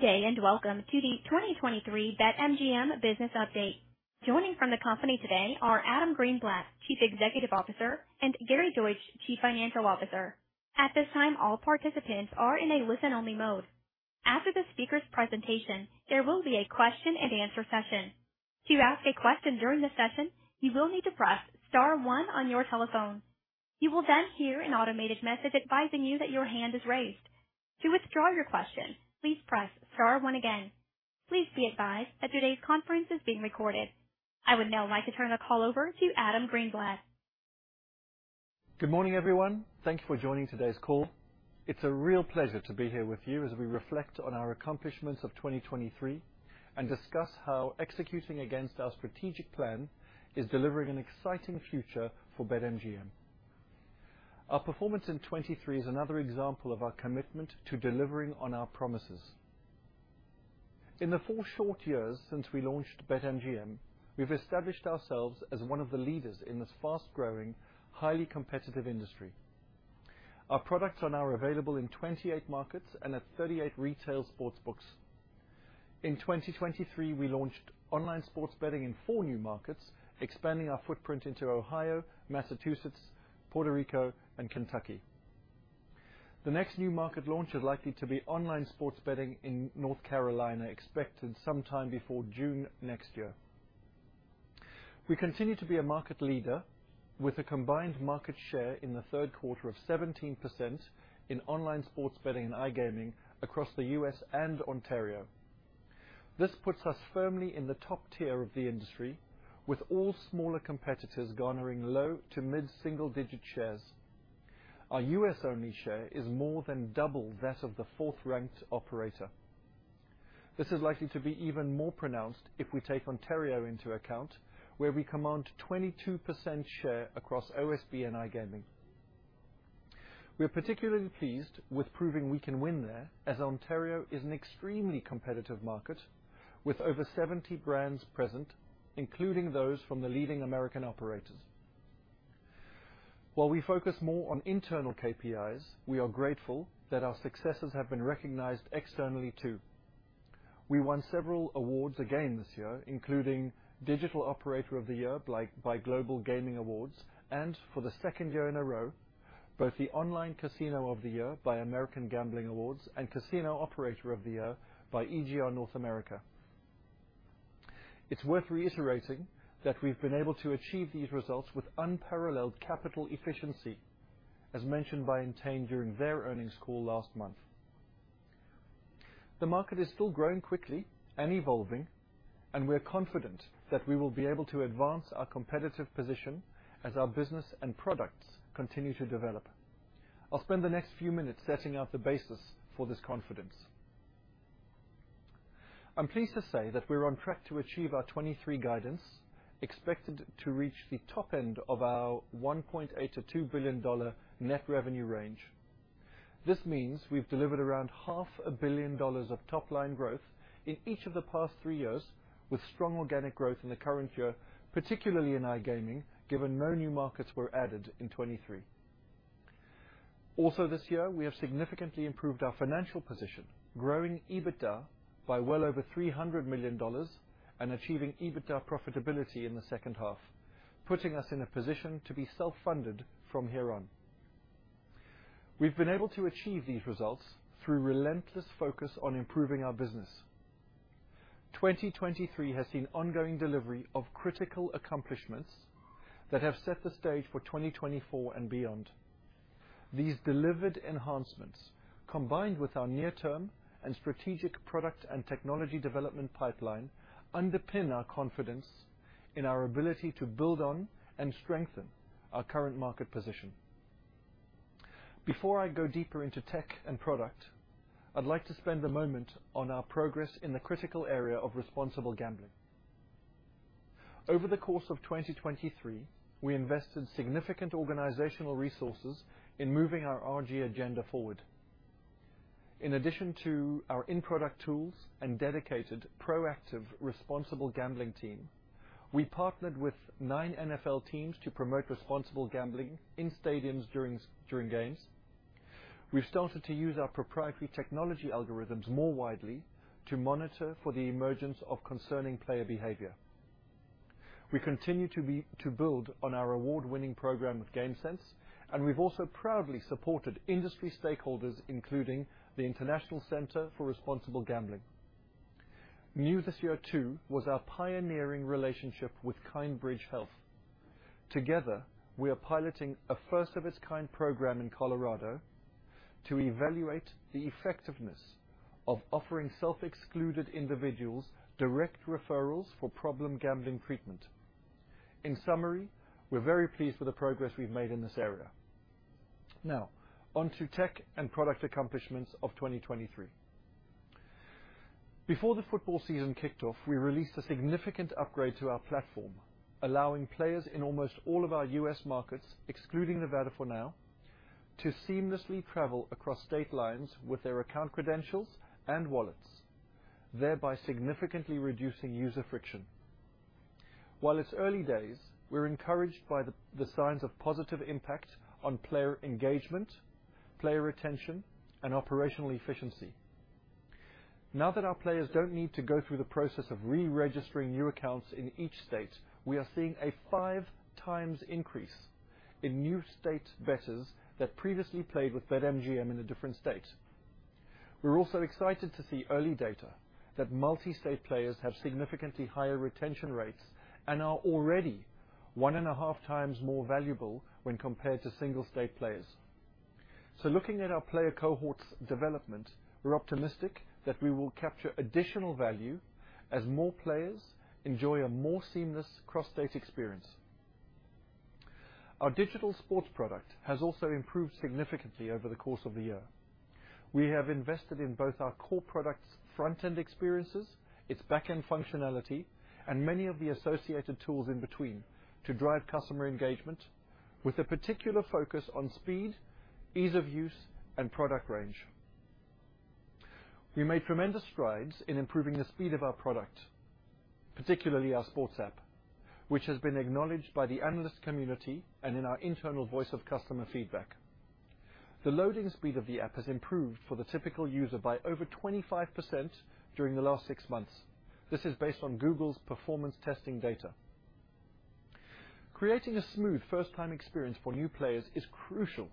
Good day and welcome to the 2023 BetMGM Business Update. Joining from the company today are Adam Greenblatt, Chief Executive Officer, and Gary Deutsch, Chief Financial Officer. At this time, all participants are in a listen-only mode. After the speaker's presentation, there will be a question-and-answer session. To ask a question during the session, you will need to press star one on your telephone. You will then hear an automated message advising you that your hand is raised. To withdraw your question, please press star one again. Please be advised that today's conference is being recorded. I would now like to turn the call over to Adam Greenblatt. Good morning, everyone. Thank you for joining today's call. It's a real pleasure to be here with you as we reflect on our accomplishments of 2023 and discuss how executing against our strategic plan is delivering an exciting future for BetMGM. Our performance in 2023 is another example of our commitment to delivering on our promises. In the four short years since we launched BetMGM, we've established ourselves as one of the leaders in this fast-growing, highly competitive industry. Our products are now available in 28 markets and at 38 retail sports books. In 2023, we launched online sports betting in four new markets, expanding our footprint into Ohio, Massachusetts, Puerto Rico, and Kentucky. The next new market launch is likely to be online sports betting in North Carolina, expected sometime before June next year. We continue to be a market leader with a combined market share in the third quarter of 17% in online sports betting and iGaming across the U.S. and Ontario. This puts us firmly in the top tier of the industry, with all smaller competitors garnering low- to mid-single-digit shares. Our U.S.-only share is more than double that of the fourth-ranked operator. This is likely to be even more pronounced if we take Ontario into account, where we command a 22% share across OSB and iGaming. We're particularly pleased with proving we can win there, as Ontario is an extremely competitive market with over 70 brands present, including those from the leading American operators. While we focus more on internal KPIs, we are grateful that our successes have been recognized externally too. We won several awards again this year, including Digital Operator of the Year by Global Gaming Awards and, for the second year in a row, both the Online Casino of the Year by American Gambling Awards and Casino Operator of the Year by EGR North America. It's worth reiterating that we've been able to achieve these results with unparalleled capital efficiency, as mentioned by Entain during their earnings call last month. The market is still growing quickly and evolving, and we're confident that we will be able to advance our competitive position as our business and products continue to develop. I'll spend the next few minutes setting out the basis for this confidence. I'm pleased to say that we're on track to achieve our 2023 guidance, expected to reach the top end of our $1.82 billion net revenue range. This means we've delivered around $500 million of top-line growth in each of the past three years, with strong organic growth in the current year, particularly in iGaming, given no new markets were added in 2023. Also, this year, we have significantly improved our financial position, growing EBITDA by well over $300 million and achieving EBITDA profitability in the second half, putting us in a position to be self-funded from here on. We've been able to achieve these results through relentless focus on improving our business. 2023 has seen ongoing delivery of critical accomplishments that have set the stage for 2024 and beyond. These delivered enhancements, combined with our near-term and strategic product and technology development pipeline, underpin our confidence in our ability to build on and strengthen our current market position. Before I go deeper into tech and product, I'd like to spend a moment on our progress in the critical area of responsible gambling. Over the course of 2023, we invested significant organizational resources in moving our RG agenda forward. In addition to our in-product tools and dedicated, proactive, responsible gambling team, we partnered with nine NFL teams to promote responsible gambling in stadiums during games. We've started to use our proprietary technology algorithms more widely to monitor for the emergence of concerning player behavior. We continue to build on our award-winning program with GameSense, and we've also proudly supported industry stakeholders, including the International Center for Responsible Gambling. New this year too was our pioneering relationship with Kindbridge Health. Together, we are piloting a first-of-its-kind program in Colorado to evaluate the effectiveness of offering self-excluded individuals direct referrals for problem gambling treatment. In summary, we're very pleased with the progress we've made in this area. Now, on to tech and product accomplishments of 2023. Before the football season kicked off, we released a significant upgrade to our platform, allowing players in almost all of our U.S. markets, excluding Nevada for now, to seamlessly travel across state lines with their account credentials and wallets, thereby significantly reducing user friction. While it's early days, we're encouraged by the signs of positive impact on player engagement, player retention, and operational efficiency. Now that our players don't need to go through the process of re-registering new accounts in each state, we are seeing a five-times increase in new state bettors that previously played with BetMGM in a different state. We're also excited to see early data that multi-state players have significantly higher retention rates and are already one and a half times more valuable when compared to single-state players. So, looking at our player cohorts' development, we're optimistic that we will capture additional value as more players enjoy a more seamless cross-state experience. Our digital sports product has also improved significantly over the course of the year. We have invested in both our core product's front-end experiences, its back-end functionality, and many of the associated tools in between to drive customer engagement, with a particular focus on speed, ease of use, and product range. We made tremendous strides in improving the speed of our product, particularly our sports app, which has been acknowledged by the analyst community and in our internal voice of customer feedback. The loading speed of the app has improved for the typical user by over 25% during the last six months. This is based on Google's performance testing data. Creating a smooth first-time experience for new players is crucial.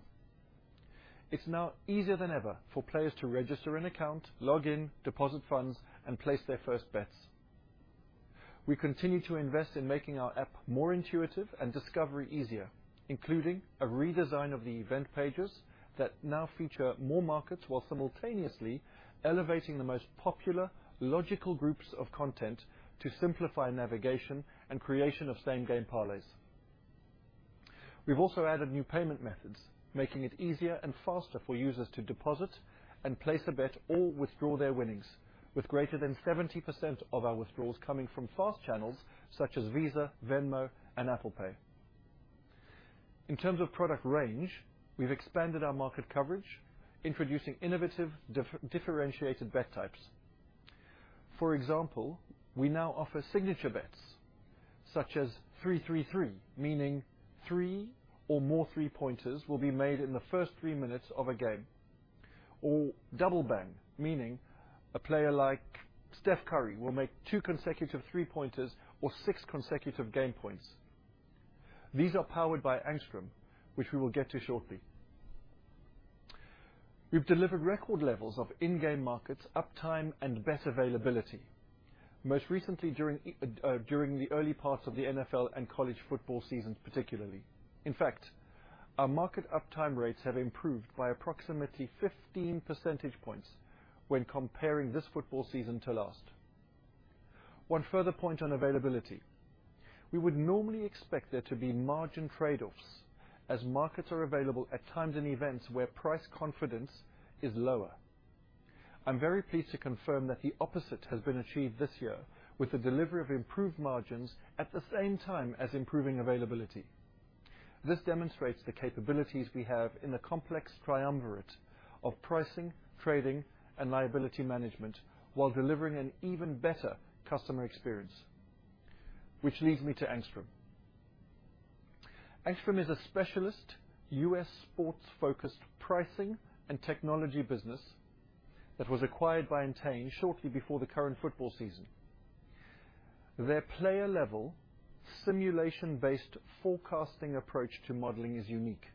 It's now easier than ever for players to register an account, log in, deposit funds, and place their first bets. We continue to invest in making our app more intuitive and discovery easier, including a redesign of the event pages that now feature more markets while simultaneously elevating the most popular logical groups of content to simplify navigation and creation of same-game parlays. We've also added new payment methods, making it easier and faster for users to deposit and place a bet or withdraw their winnings, with greater than 70% of our withdrawals coming from fast channels such as Visa, Venmo, and Apple Pay. In terms of product range, we've expanded our market coverage, introducing innovative differentiated bet types. For example, we now offer signature bets such as 3-3-3, meaning three or more three-pointers will be made in the first three minutes of a game, or Double Bang, meaning a player like Steph Curry will make two consecutive three-pointers or six consecutive game points. These are powered by Angstrom, which we will get to shortly. We've delivered record levels of in-game markets, uptime, and bet availability, most recently during the early parts of the NFL and college football seasons, particularly. In fact, our market uptime rates have improved by approximately 15 percentage points when comparing this football season to last. One further point on availability: we would normally expect there to be margin trade-offs as markets are available at times in events where price confidence is lower. I'm very pleased to confirm that the opposite has been achieved this year with the delivery of improved margins at the same time as improving availability. This demonstrates the capabilities we have in the complex triumvirate of pricing, trading, and liability management while delivering an even better customer experience. Which leads me to Angstrom. Angstrom is a specialist U.S. sports-focused pricing and technology business that was acquired by Entain shortly before the current football season. Their player-level simulation-based forecasting approach to modeling is unique.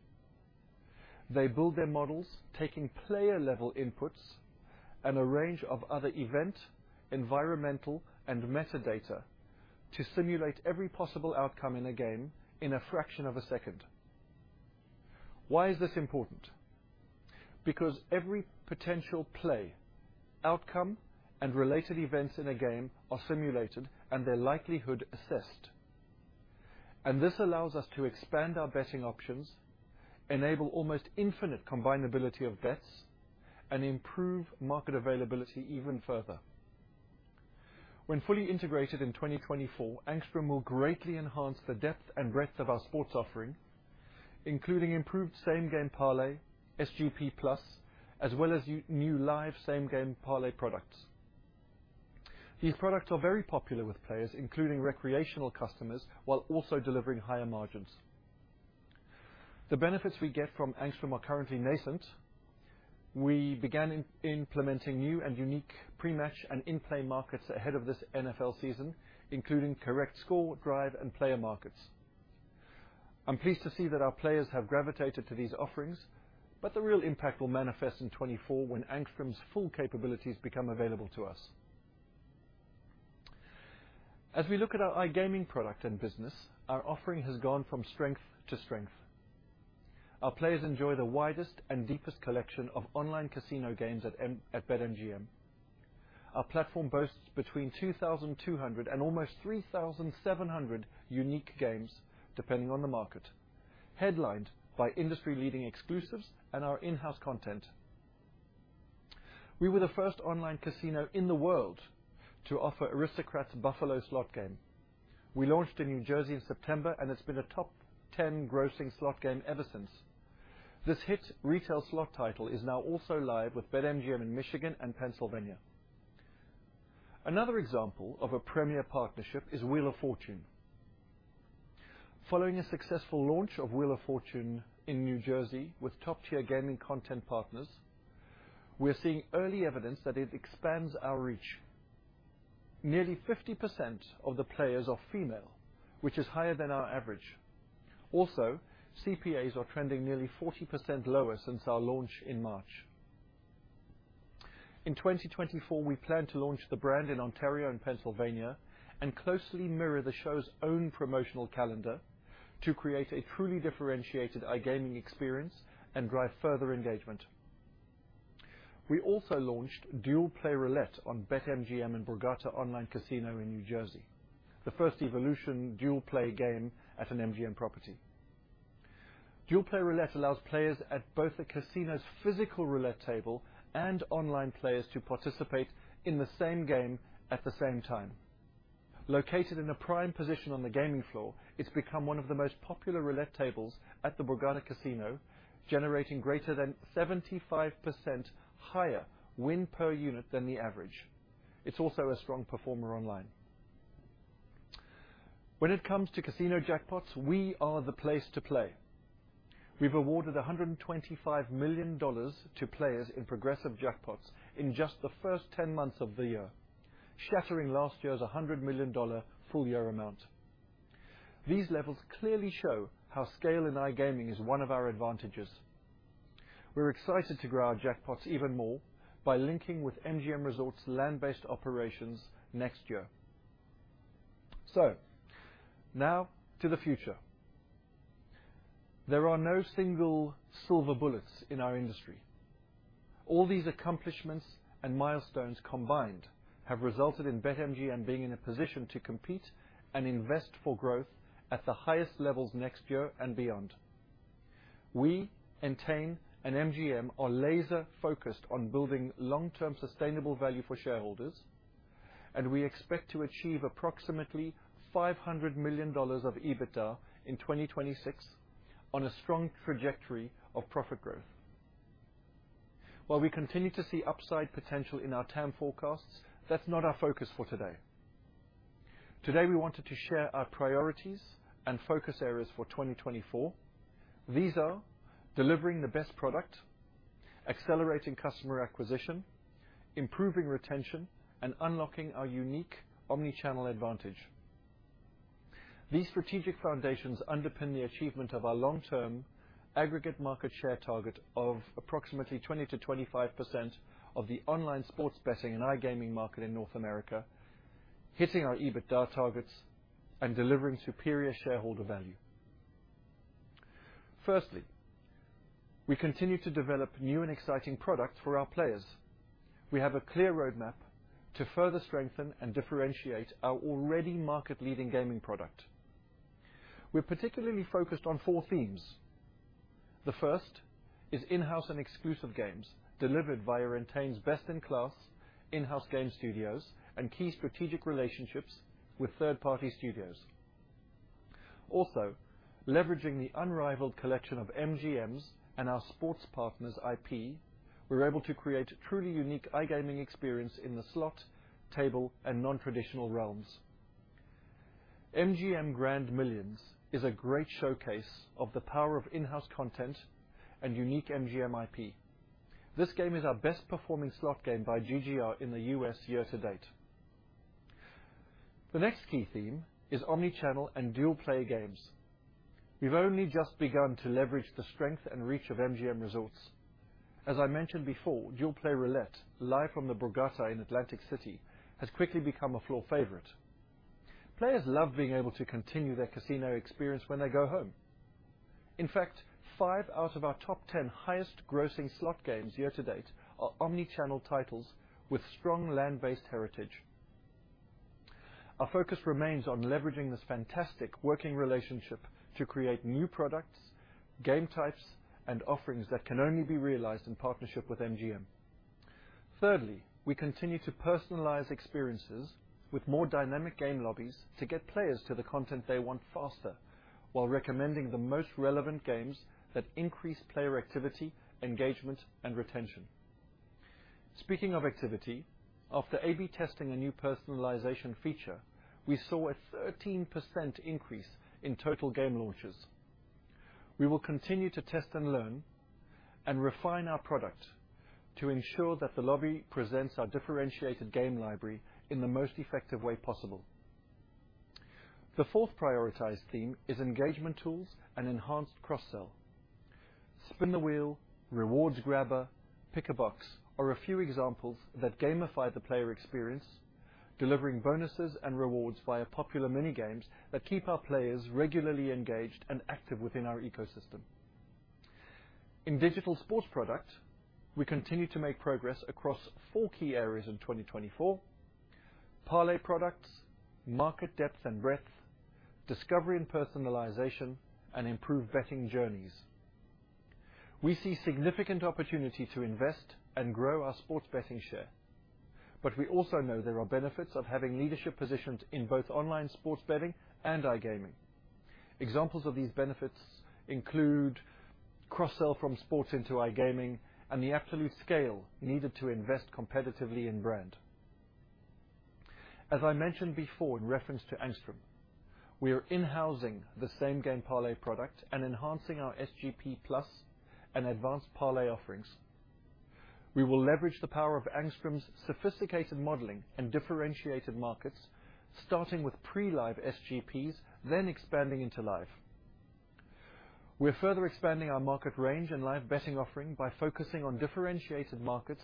They build their models, taking player-level inputs and a range of other event, environmental, and metadata to simulate every possible outcome in a game in a fraction of a second. Why is this important? Because every potential play, outcome, and related events in a game are simulated and their likelihood assessed. And this allows us to expand our betting options, enable almost infinite combinability of bets, and improve market availability even further. When fully integrated in 2024, Angstrom will greatly enhance the depth and breadth of our sports offering, including improved same-game parlay, SGP+, as well as new live same-game parlay products. These products are very popular with players, including recreational customers, while also delivering higher margins. The benefits we get from Angstrom are currently nascent. We began implementing new and unique pre-match and in-play markets ahead of this NFL season, including correct score, drive, and player markets. I'm pleased to see that our players have gravitated to these offerings, but the real impact will manifest in 2024 when Angstrom's full capabilities become available to us. As we look at our iGaming product and business, our offering has gone from strength to strength. Our players enjoy the widest and deepest collection of online casino games at BetMGM. Our platform boasts between 2,200 and almost 3,700 unique games, depending on the market, headlined by industry-leading exclusives and our in-house content. We were the first online casino in the world to offer Aristocrat's Buffalo slot game. We launched in New Jersey in September, and it's been a top-ten grossing slot game ever since. This hit retail slot title is now also live with BetMGM in Michigan and Pennsylvania. Another example of a premier partnership is Wheel of Fortune. Following a successful launch of Wheel of Fortune in New Jersey with top-tier gaming content partners, we're seeing early evidence that it expands our reach. Nearly 50% of the players are female, which is higher than our average. Also, CPAs are trending nearly 40% lower since our launch in March. In 2024, we plan to launch the brand in Ontario and Pennsylvania and closely mirror the show's own promotional calendar to create a truly differentiated iGaming experience and drive further engagement. We also launched Dual Play Roulette on BetMGM and Borgata Online Casino in New Jersey, the first Evolution Dual Play game at an MGM property. Dual Play Roulette allows players at both the casino's physical roulette table and online players to participate in the same game at the same time. Located in a prime position on the gaming floor, it's become one of the most popular roulette tables at the Borgata Casino, generating greater than 75% higher win per unit than the average. It's also a strong performer online. When it comes to casino jackpots, we are the place to play. We've awarded $125 million to players in progressive jackpots in just the first ten months of the year, shattering last year's $100 million full-year amount. These levels clearly show how scale in iGaming is one of our advantages. We're excited to grow our jackpots even more by linking with MGM Resorts' land-based operations next year. So, now to the future. There are no single silver bullets in our industry. All these accomplishments and milestones combined have resulted in BetMGM being in a position to compete and invest for growth at the highest levels next year and beyond. We, Entain and MGM, are laser-focused on building long-term sustainable value for shareholders, and we expect to achieve approximately $500 million of EBITDA in 2026 on a strong trajectory of profit growth. While we continue to see upside potential in our TAM forecasts, that's not our focus for today. Today, we wanted to share our priorities and focus areas for 2024. These are delivering the best product, accelerating customer acquisition, improving retention, and unlocking our unique omnichannel advantage. These strategic foundations underpin the achievement of our long-term aggregate market share target of approximately 20%-25% of the online sports betting and iGaming market in North America, hitting our EBITDA targets and delivering superior shareholder value. Firstly, we continue to develop new and exciting products for our players. We have a clear roadmap to further strengthen and differentiate our already market-leading gaming product. We're particularly focused on four themes. The first is in-house and exclusive games delivered via Entain's best-in-class in-house game studios and key strategic relationships with third-party studios. Also, leveraging the unrivaled collection of MGM's and our sports partner's IP, we're able to create a truly unique iGaming experience in the slot, table, and non-traditional realms. MGM Grand Millions is a great showcase of the power of in-house content and unique MGM IP. This game is our best-performing slot game by GGR in the U.S. year to date. The next key theme is omnichannel and dual-play games. We've only just begun to leverage the strength and reach of MGM Resorts. As I mentioned before, Dual Play Roulette, live from the Borgata in Atlantic City, has quickly become a floor favorite. Players love being able to continue their casino experience when they go home. In fact, five out of our top 10 highest-grossing slot games year to date are omnichannel titles with strong land-based heritage. Our focus remains on leveraging this fantastic working relationship to create new products, game types, and offerings that can only be realized in partnership with MGM. Thirdly, we continue to personalize experiences with more dynamic game lobbies to get players to the content they want faster while recommending the most relevant games that increase player activity, engagement, and retention. Speaking of activity, after A/B testing a new personalization feature, we saw a 13% increase in total game launches. We will continue to test and learn and refine our product to ensure that the lobby presents our differentiated game library in the most effective way possible. The fourth prioritized theme is engagement tools and enhanced cross-sell. Spin the Wheel, Rewards Grabber, Pick a Box are a few examples that gamify the player experience, delivering bonuses and rewards via popular mini-games that keep our players regularly engaged and active within our ecosystem. In digital sports product, we continue to make progress across four key areas in 2024: parlay products, market depth and breadth, discovery and personalization, and improved betting journeys. We see significant opportunity to invest and grow our sports betting share, but we also know there are benefits of having leadership positions in both online sports betting and iGaming. Examples of these benefits include cross-sell from sports into iGaming and the absolute scale needed to invest competitively in brand. As I mentioned before in reference to Angstrom, we are in-housing the same-game parlay product and enhancing our SGP+ and advanced parlay offerings. We will leverage the power of Angstrom's sophisticated modeling and differentiated markets, starting with pre-live SGPs, then expanding into live. We're further expanding our market range and live betting offering by focusing on differentiated markets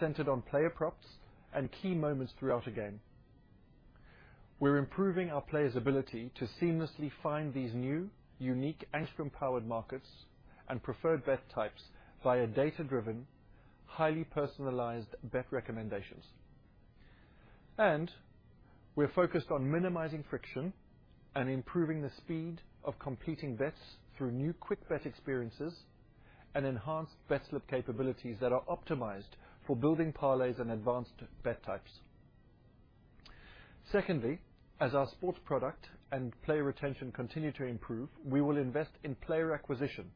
centered on player props and key moments throughout a game. We're improving our players' ability to seamlessly find these new, unique Angstrom-powered markets and preferred bet types via data-driven, highly personalized bet recommendations, and we're focused on minimizing friction and improving the speed of completing bets through new quick bet experiences and enhanced bet slip capabilities that are optimized for building parlays and advanced bet types. Secondly, as our sports product and player retention continue to improve, we will invest in player acquisition.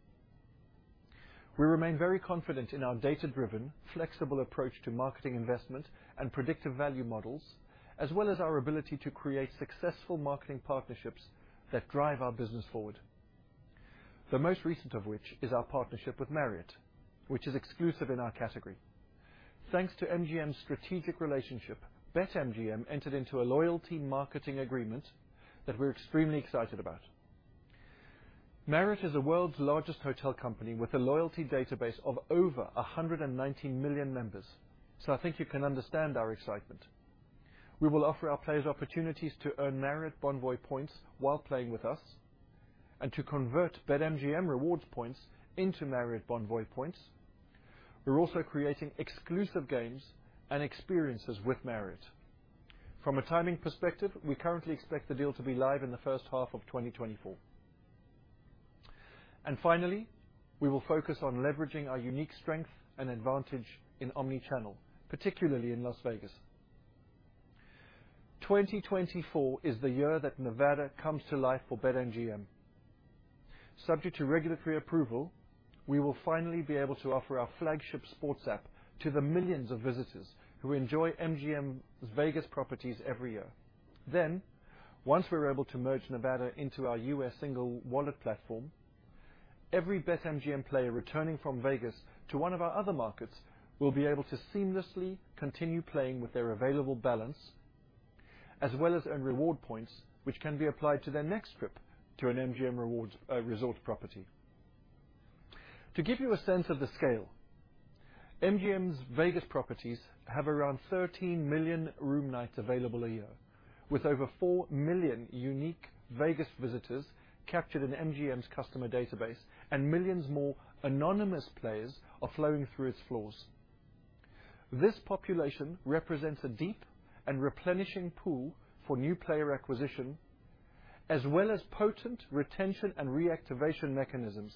We remain very confident in our data-driven, flexible approach to marketing investment and predictive value models, as well as our ability to create successful marketing partnerships that drive our business forward. The most recent of which is our partnership with Marriott, which is exclusive in our category. Thanks to MGM's strategic relationship, BetMGM entered into a loyalty marketing agreement that we're extremely excited about. Marriott is the world's largest hotel company with a loyalty database of over 119 million members, so I think you can understand our excitement. We will offer our players opportunities to earn Marriott Bonvoy points while playing with us and to convert BetMGM Rewards points into Marriott Bonvoy points. We're also creating exclusive games and experiences with Marriott. From a timing perspective, we currently expect the deal to be live in the first half of 2024, and finally, we will focus on leveraging our unique strength and advantage in omnichannel, particularly in Las Vegas. 2024 is the year that Nevada comes to life for BetMGM. Subject to regulatory approval, we will finally be able to offer our flagship sports app to the millions of visitors who enjoy MGM's Vegas properties every year. Then, once we're able to merge Nevada into our U.S. single wallet platform, every BetMGM player returning from Vegas to one of our other markets will be able to seamlessly continue playing with their available balance, as well as earn reward points, which can be applied to their next trip to an MGM Resort property. To give you a sense of the scale, MGM's Vegas properties have around 13 million room nights available a year, with over 4 million unique Vegas visitors captured in MGM's customer database, and millions more anonymous players are flowing through its floors. This population represents a deep and replenishing pool for new player acquisition, as well as potent retention and reactivation mechanisms,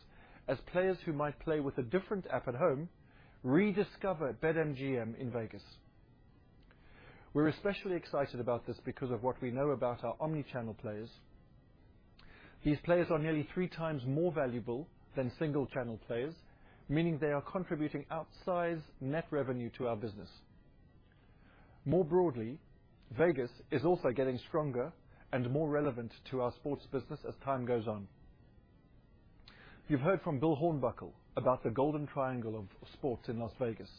as players who might play with a different app at home rediscover BetMGM in Vegas. We're especially excited about this because of what we know about our omnichannel players. These players are nearly three times more valuable than single-channel players, meaning they are contributing outsized net revenue to our business. More broadly, Vegas is also getting stronger and more relevant to our sports business as time goes on. You've heard from Bill Hornbuckle about the Golden Triangle of sports in Las Vegas,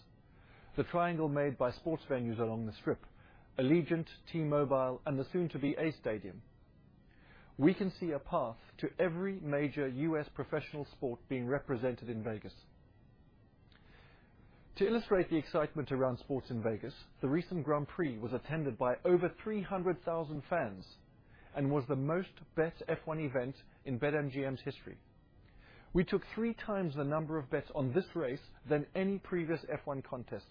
the triangle made by sports venues along the Strip, Allegiant, T-Mobile, and the soon-to-be A's Stadium. We can see a path to every major U.S. professional sport being represented in Vegas. To illustrate the excitement around sports in Vegas, the recent Grand Prix was attended by over 300,000 fans and was the most bet F1 event in BetMGM's history. We took three times the number of bets on this race than any previous F1 contest.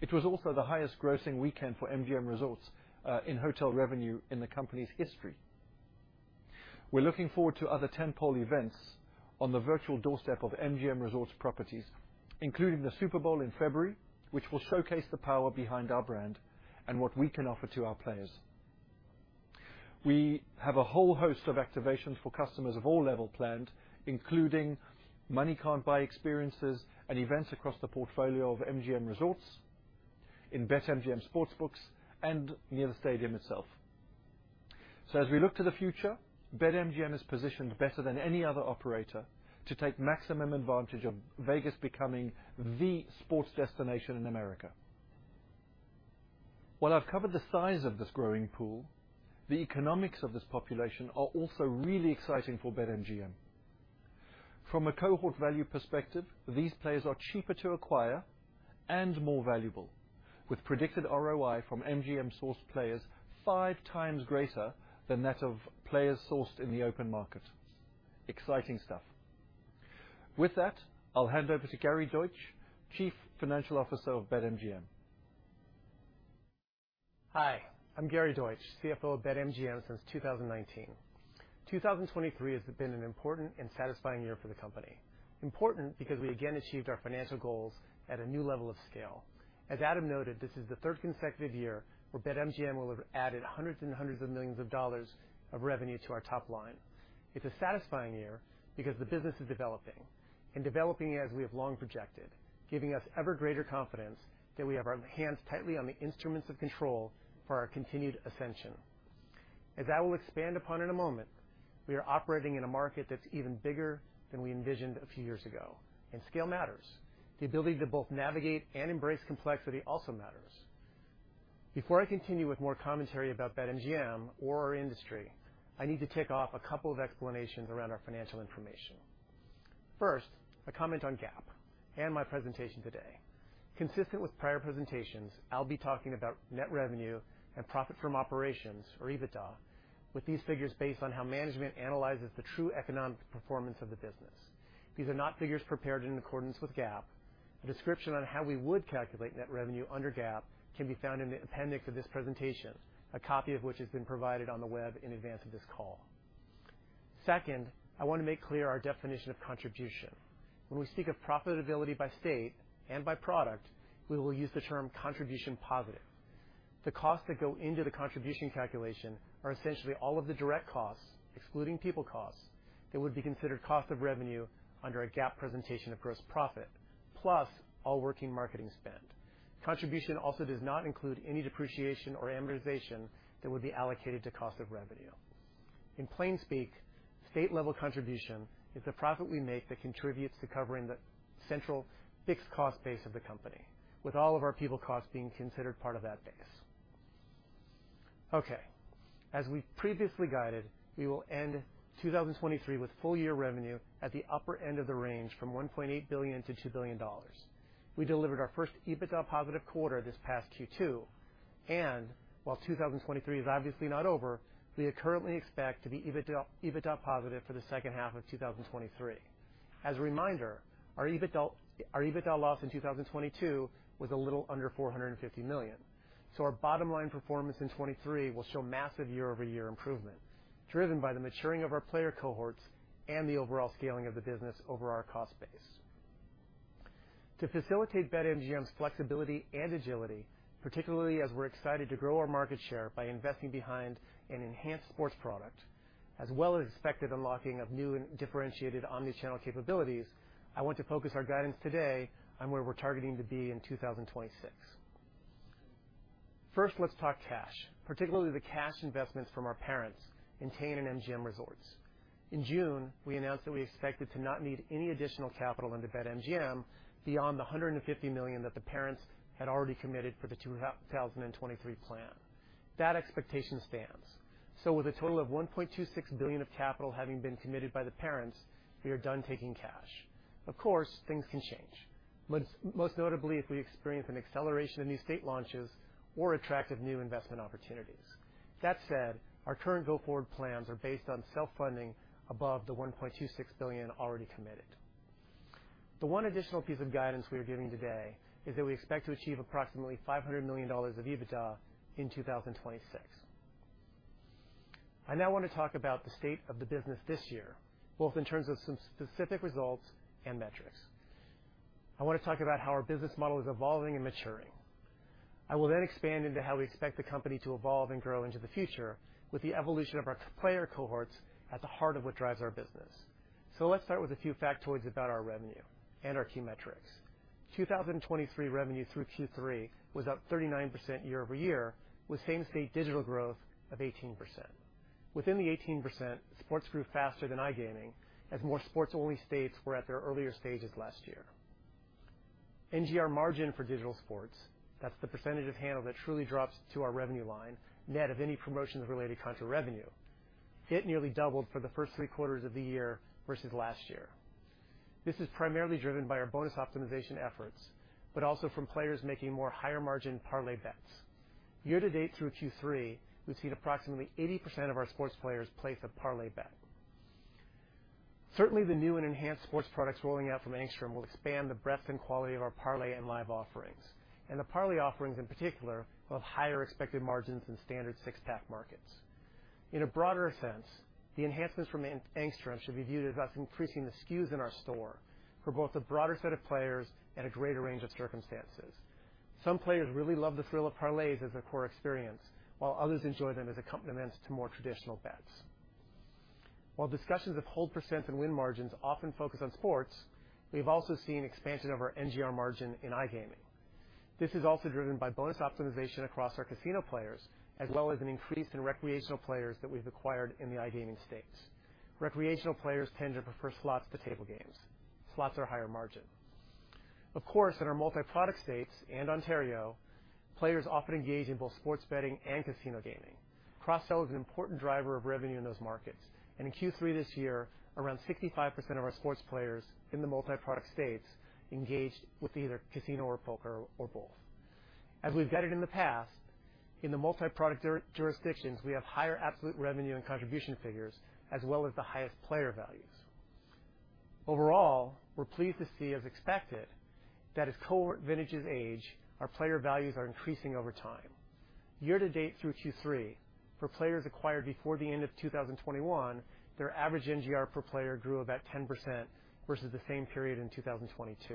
It was also the highest-grossing weekend for MGM Resorts in hotel revenue in the company's history. We're looking forward to other tentpole events on the virtual doorstep of MGM Resorts properties, including the Super Bowl in February, which will showcase the power behind our brand and what we can offer to our players. We have a whole host of activations for customers of all levels planned, including money-can't-buy experiences and events across the portfolio of MGM Resorts, in BetMGM Sportsbooks, and near the stadium itself. So, as we look to the future, BetMGM is positioned better than any other operator to take maximum advantage of Vegas becoming the sports destination in America. While I've covered the size of this growing pool, the economics of this population are also really exciting for BetMGM. From a cohort value perspective, these players are cheaper to acquire and more valuable, with predicted ROI from MGM-sourced players five times greater than that of players sourced in the open market. Exciting stuff. With that, I'll hand over to Gary Deutsch, Chief Financial Officer of BetMGM. Hi, I'm Gary Deutsch, CFO of BetMGM since 2019. 2023 has been an important and satisfying year for the company. Important because we again achieved our financial goals at a new level of scale. As Adam noted, this is the third consecutive year where BetMGM will have added hundreds and hundreds of millions of dollars of revenue to our top line. It's a satisfying year because the business is developing and developing as we have long projected, giving us ever greater confidence that we have our hands tightly on the instruments of control for our continued ascension. As I will expand upon in a moment, we are operating in a market that's even bigger than we envisioned a few years ago, and scale matters. The ability to both navigate and embrace complexity also matters. Before I continue with more commentary about BetMGM or our industry, I need to tick off a couple of explanations around our financial information. First, a comment on GAAP and my presentation today. Consistent with prior presentations, I'll be talking about net revenue and profit from operations, or EBITDA, with these figures based on how management analyzes the true economic performance of the business. These are not figures prepared in accordance with GAAP. A description on how we would calculate net revenue under GAAP can be found in the appendix of this presentation, a copy of which has been provided on the web in advance of this call. Second, I want to make clear our definition of contribution. When we speak of profitability by state and by product, we will use the term contribution positive. The costs that go into the contribution calculation are essentially all of the direct costs, excluding people costs, that would be considered cost of revenue under a GAAP presentation of gross profit, plus all working marketing spend. Contribution also does not include any depreciation or amortization that would be allocated to cost of revenue. In plain speak, state-level contribution is the profit we make that contributes to covering the central fixed cost base of the company, with all of our people costs being considered part of that base. Okay. As we previously guided, we will end 2023 with full year revenue at the upper end of the range from $1.8 billion-$2 billion. We delivered our first EBITDA positive quarter this past Q2, and while 2023 is obviously not over, we currently expect to be EBITDA positive for the second half of 2023. As a reminder, our EBITDA loss in 2022 was a little under $450 million, so our bottom line performance in 2023 will show massive year-over-year improvement, driven by the maturing of our player cohorts and the overall scaling of the business over our cost base. To facilitate BetMGM's flexibility and agility, particularly as we're excited to grow our market share by investing behind an enhanced sports product, as well as expected unlocking of new and differentiated omnichannel capabilities, I want to focus our guidance today on where we're targeting to be in 2026. First, let's talk cash, particularly the cash investments from our parents in Entain and MGM Resorts. In June, we announced that we expected to not need any additional capital into BetMGM beyond the $150 million that the parents had already committed for the 2023 plan. That expectation stands. So, with a total of $1.26 billion of capital having been committed by the parents, we are done taking cash. Of course, things can change, most notably if we experience an acceleration in new state launches or attractive new investment opportunities. That said, our current go-forward plans are based on self-funding above the $1.26 billion already committed. The one additional piece of guidance we are giving today is that we expect to achieve approximately $500 million of EBITDA in 2026. I now want to talk about the state of the business this year, both in terms of some specific results and metrics. I want to talk about how our business model is evolving and maturing. I will then expand into how we expect the company to evolve and grow into the future with the evolution of our player cohorts at the heart of what drives our business. So, let's start with a few factoids about our revenue and our key metrics. 2023 revenue through Q3 was up 39% year-over-year, with same-state digital growth of 18%. Within the 18%, sports grew faster than iGaming, as more sports-only states were at their earlier stages last year. NGR margin for digital sports, that's the percentage of handle that truly drops to our revenue line net of any promotions related contra revenue. It nearly doubled for the first three quarters of the year versus last year. This is primarily driven by our bonus optimization efforts, but also from players making more higher-margin parlay bets. Year-to-date through Q3, we've seen approximately 80% of our sports players place a parlay bet. Certainly, the new and enhanced sports products rolling out from Angstrom will expand the breadth and quality of our parlay and live offerings, and the parlay offerings in particular will have higher expected margins than standard six-pack markets. In a broader sense, the enhancements from Angstrom should be viewed as us increasing the SKUs in our store for both a broader set of players and a greater range of circumstances. Some players really love the thrill of parlays as a core experience, while others enjoy them as accompaniments to more traditional bets. While discussions of hold % and win margins often focus on sports, we have also seen expansion of our NGR margin in iGaming. This is also driven by bonus optimization across our casino players, as well as an increase in recreational players that we've acquired in the iGaming states. Recreational players tend to prefer slots to table games. Slots are higher margin. Of course, in our multi-product states and Ontario, players often engage in both sports betting and casino gaming. Cross-sell is an important driver of revenue in those markets, and in Q3 this year, around 65% of our sports players in the multi-product states engaged with either casino or poker or both. As we've guided in the past, in the multi-product jurisdictions, we have higher absolute revenue and contribution figures, as well as the highest player values. Overall, we're pleased to see, as expected, that as cohort vintages age, our player values are increasing over time. Year-to-date through Q3, for players acquired before the end of 2021, their average NGR per player grew about 10% versus the same period in 2022.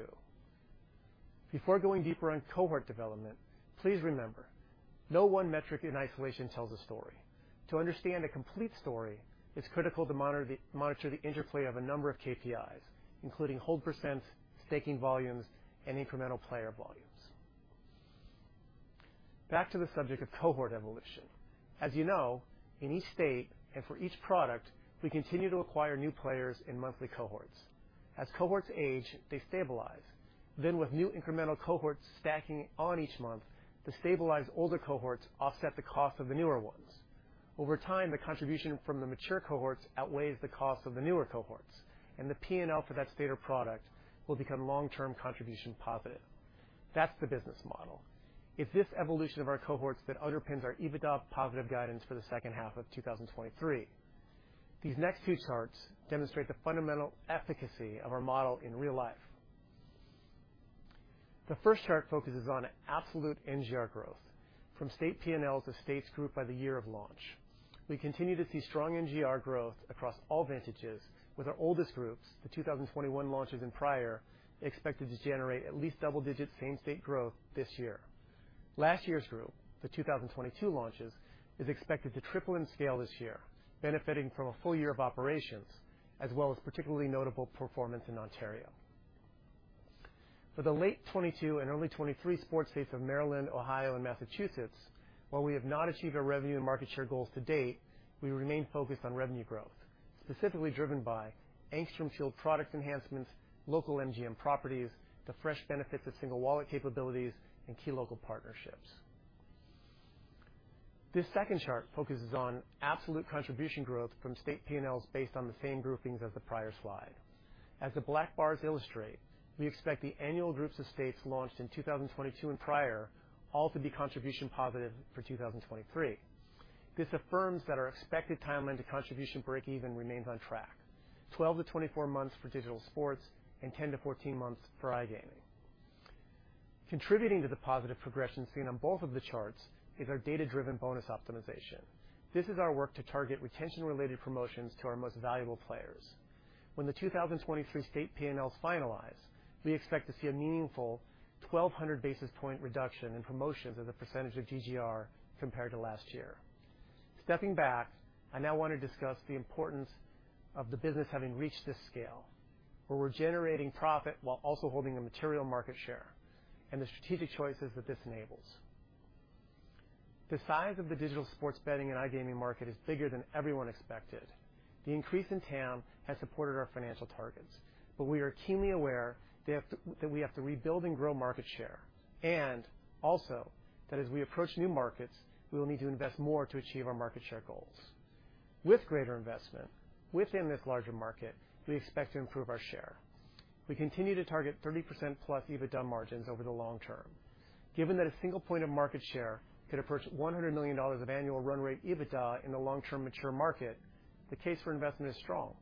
Before going deeper on cohort development, please remember, no one metric in isolation tells a story. To understand a complete story, it's critical to monitor the interplay of a number of KPIs, including hold percents, staking volumes, and incremental player volumes. Back to the subject of cohort evolution. As you know, in each state and for each product, we continue to acquire new players in monthly cohorts. As cohorts age, they stabilize. Then, with new incremental cohorts stacking on each month, the stabilized older cohorts offset the cost of the newer ones. Over time, the contribution from the mature cohorts outweighs the cost of the newer cohorts, and the P&L for that state or product will become long-term contribution positive. That's the business model. It's this evolution of our cohorts that underpins our EBITDA positive guidance for the second half of 2023. These next two charts demonstrate the fundamental efficacy of our model in real life. The first chart focuses on absolute NGR growth, from state P&Ls to states grouped by the year of launch. We continue to see strong NGR growth across all vintages, with our oldest groups, the 2021 launches and prior, expected to generate at least double-digit same-state growth this year. Last year's group, the 2022 launches, is expected to triple in scale this year, benefiting from a full year of operations, as well as particularly notable performance in Ontario. For the late 2022 and early 2023 sports states of Maryland, Ohio, and Massachusetts, while we have not achieved our revenue and market share goals to date, we remain focused on revenue growth, specifically driven by Angstrom Sports product enhancements, local MGM properties, the fresh benefits of single wallet capabilities, and key local partnerships. This second chart focuses on absolute contribution growth from state P&Ls based on the same groupings as the prior slide. As the black bars illustrate, we expect the annual groups of states launched in 2022 and prior all to be contribution positive for 2023. This affirms that our expected timeline to contribution break-even remains on track: 12 to 24 months for digital sports and 10 to 14 months for iGaming. Contributing to the positive progression seen on both of the charts is our data-driven bonus optimization. This is our work to target retention-related promotions to our most valuable players. When the 2023 state P&Ls finalize, we expect to see a meaningful 1,200 basis point reduction in promotions as a percentage of GGR compared to last year. Stepping back, I now want to discuss the importance of the business having reached this scale, where we're generating profit while also holding a material market share, and the strategic choices that this enables. The size of the digital sports betting and iGaming market is bigger than everyone expected. The increase in TAM has supported our financial targets, but we are keenly aware that we have to rebuild and grow market share, and also that as we approach new markets, we will need to invest more to achieve our market share goals. With greater investment within this larger market, we expect to improve our share. We continue to target 30% plus EBITDA margins over the long term. Given that a single point of market share could approach $100 million of annual run rate EBITDA in the long-term mature market, the case for investment is strong.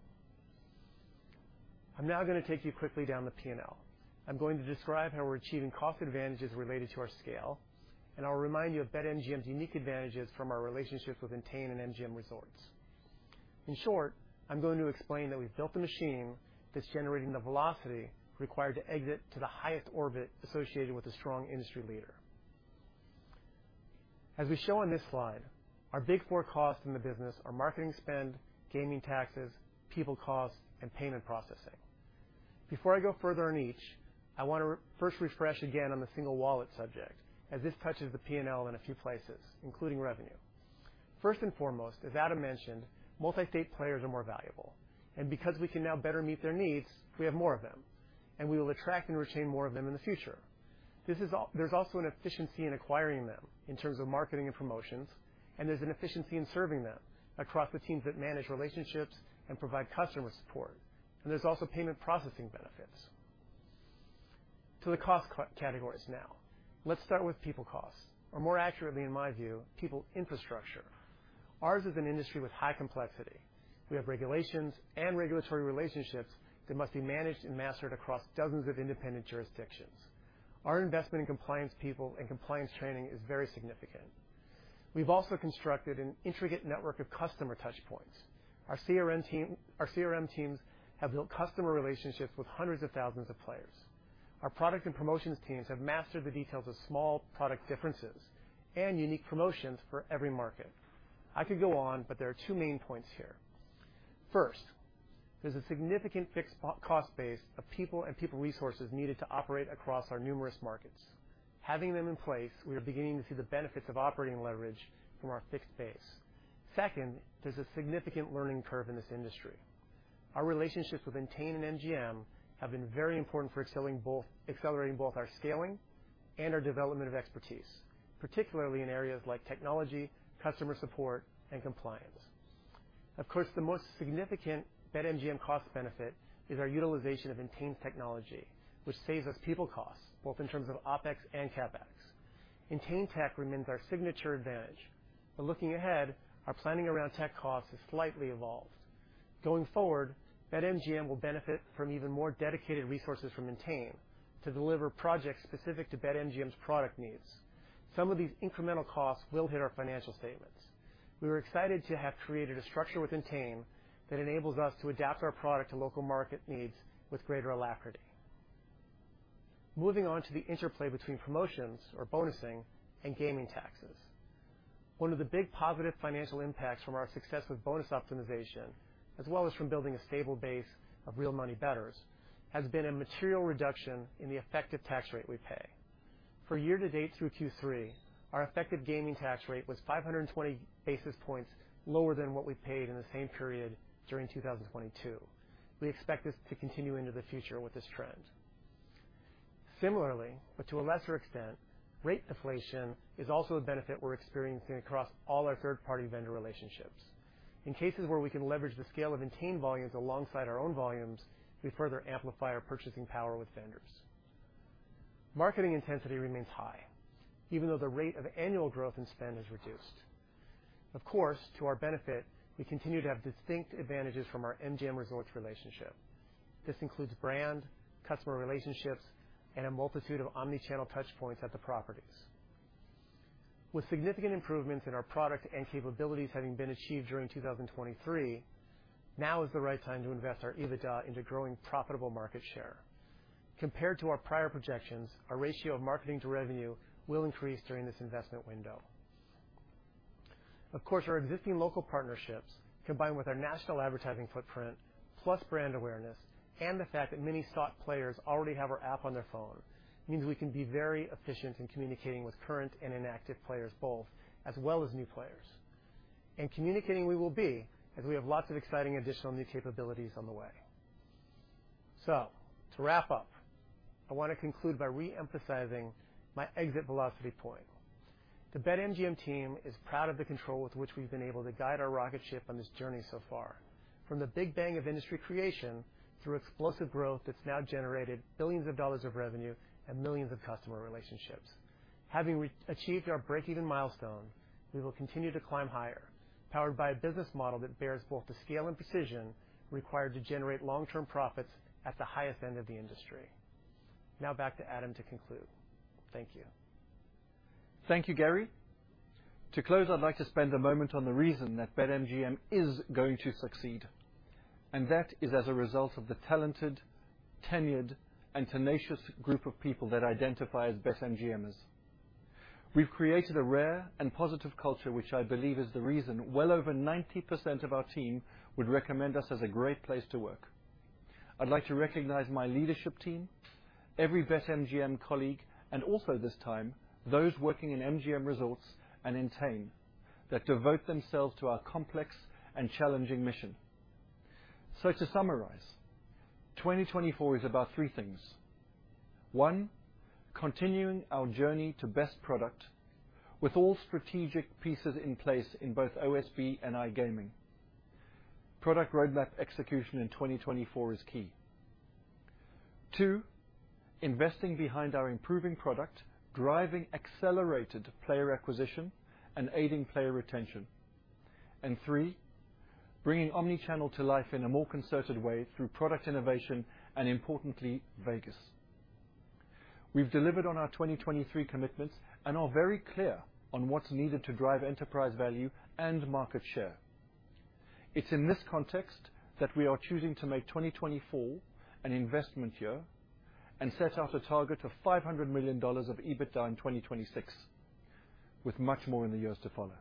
I'm now going to take you quickly down the P&L. I'm going to describe how we're achieving cost advantages related to our scale, and I'll remind you of BetMGM's unique advantages from our relationships within Entain and MGM Resorts. In short, I'm going to explain that we've built a machine that's generating the velocity required to exit to the highest orbit associated with a strong industry leader. As we show on this slide, our big four costs in the business are marketing spend, gaming taxes, people costs, and payment processing. Before I go further on each, I want to first refresh again on the single wallet subject, as this touches the P&L in a few places, including revenue. First and foremost, as Adam mentioned, multi-state players are more valuable, and because we can now better meet their needs, we have more of them, and we will attract and retain more of them in the future. There's also an efficiency in acquiring them in terms of marketing and promotions, and there's an efficiency in serving them across the teams that manage relationships and provide customer support, and there's also payment processing benefits. To the cost categories now, let's start with people costs, or more accurately, in my view, people infrastructure. Ours is an industry with high complexity. We have regulations and regulatory relationships that must be managed and mastered across dozens of independent jurisdictions. Our investment in compliance people and compliance training is very significant. We've also constructed an intricate network of customer touchpoints. Our CRM teams have built customer relationships with hundreds of thousands of players. Our product and promotions teams have mastered the details of small product differences and unique promotions for every market. I could go on, but there are two main points here. First, there's a significant fixed cost base of people and people resources needed to operate across our numerous markets. Having them in place, we are beginning to see the benefits of operating leverage from our fixed base. Second, there's a significant learning curve in this industry. Our relationships within Entain and MGM have been very important for accelerating both our scaling and our development of expertise, particularly in areas like technology, customer support, and compliance. Of course, the most significant BetMGM cost benefit is our utilization of Entain's technology, which saves us people costs, both in terms of OPEX and CAPEX. Entain Tech remains our signature advantage, but looking ahead, our planning around tech costs has slightly evolved. Going forward, BetMGM will benefit from even more dedicated resources from Entain to deliver projects specific to BetMGM's product needs. Some of these incremental costs will hit our financial statements. We were excited to have created a structure within Entain that enables us to adapt our product to local market needs with greater alacrity. Moving on to the interplay between promotions, or bonusing, and gaming taxes. One of the big positive financial impacts from our success with bonus optimization, as well as from building a stable base of real money bettors, has been a material reduction in the effective tax rate we pay. For year-to-date through Q3, our effective gaming tax rate was 520 basis points lower than what we paid in the same period during 2022. We expect this to continue into the future with this trend. Similarly, but to a lesser extent, rate deflation is also a benefit we're experiencing across all our third-party vendor relationships. In cases where we can leverage the scale of Entain volumes alongside our own volumes, we further amplify our purchasing power with vendors. Marketing intensity remains high, even though the rate of annual growth and spend has reduced. Of course, to our benefit, we continue to have distinct advantages from our MGM Resorts relationship. This includes brand, customer relationships, and a multitude of omnichannel touchpoints at the properties. With significant improvements in our product and capabilities having been achieved during 2023, now is the right time to invest our EBITDA into growing profitable market share. Compared to our prior projections, our ratio of marketing to revenue will increase during this investment window. Of course, our existing local partnerships, combined with our national advertising footprint, plus brand awareness, and the fact that many sports players already have our app on their phone, means we can be very efficient in communicating with current and inactive players both, as well as new players. And communicating we will be, as we have lots of exciting additional new capabilities on the way. So, to wrap up, I want to conclude by re-emphasizing my exit velocity point. The BetMGM team is proud of the control with which we've been able to guide our rocket ship on this journey so far, from the big bang of industry creation through explosive growth that's now generated billions of dollars of revenue and millions of customer relationships. Having achieved our break-even milestone, we will continue to climb higher, powered by a business model that bears both the scale and precision required to generate long-term profits at the highest end of the industry. Now back to Adam to conclude. Thank you. Thank you, Gary. To close, I'd like to spend a moment on the reason that BetMGM is going to succeed, and that is as a result of the talented, tenured, and tenacious group of people that identify as BetMGMers. We've created a rare and positive culture, which I believe is the reason well over 90% of our team would recommend us as a great place to work. I'd like to recognize my leadership team, every BetMGM colleague, and also this time, those working in MGM Resorts and in Entain that devote themselves to our complex and challenging mission. So, to summarize, 2024 is about three things. One, continuing our journey to best product with all strategic pieces in place in both OSB and iGaming. Product roadmap execution in 2024 is key. Two, investing behind our improving product, driving accelerated player acquisition and aiding player retention. And three, bringing omnichannel to life in a more concerted way through product innovation and, importantly, Vegas. We've delivered on our 2023 commitments and are very clear on what's needed to drive enterprise value and market share. It's in this context that we are choosing to make 2024 an investment year and set out a target of $500 million of EBITDA in 2026, with much more in the years to follow.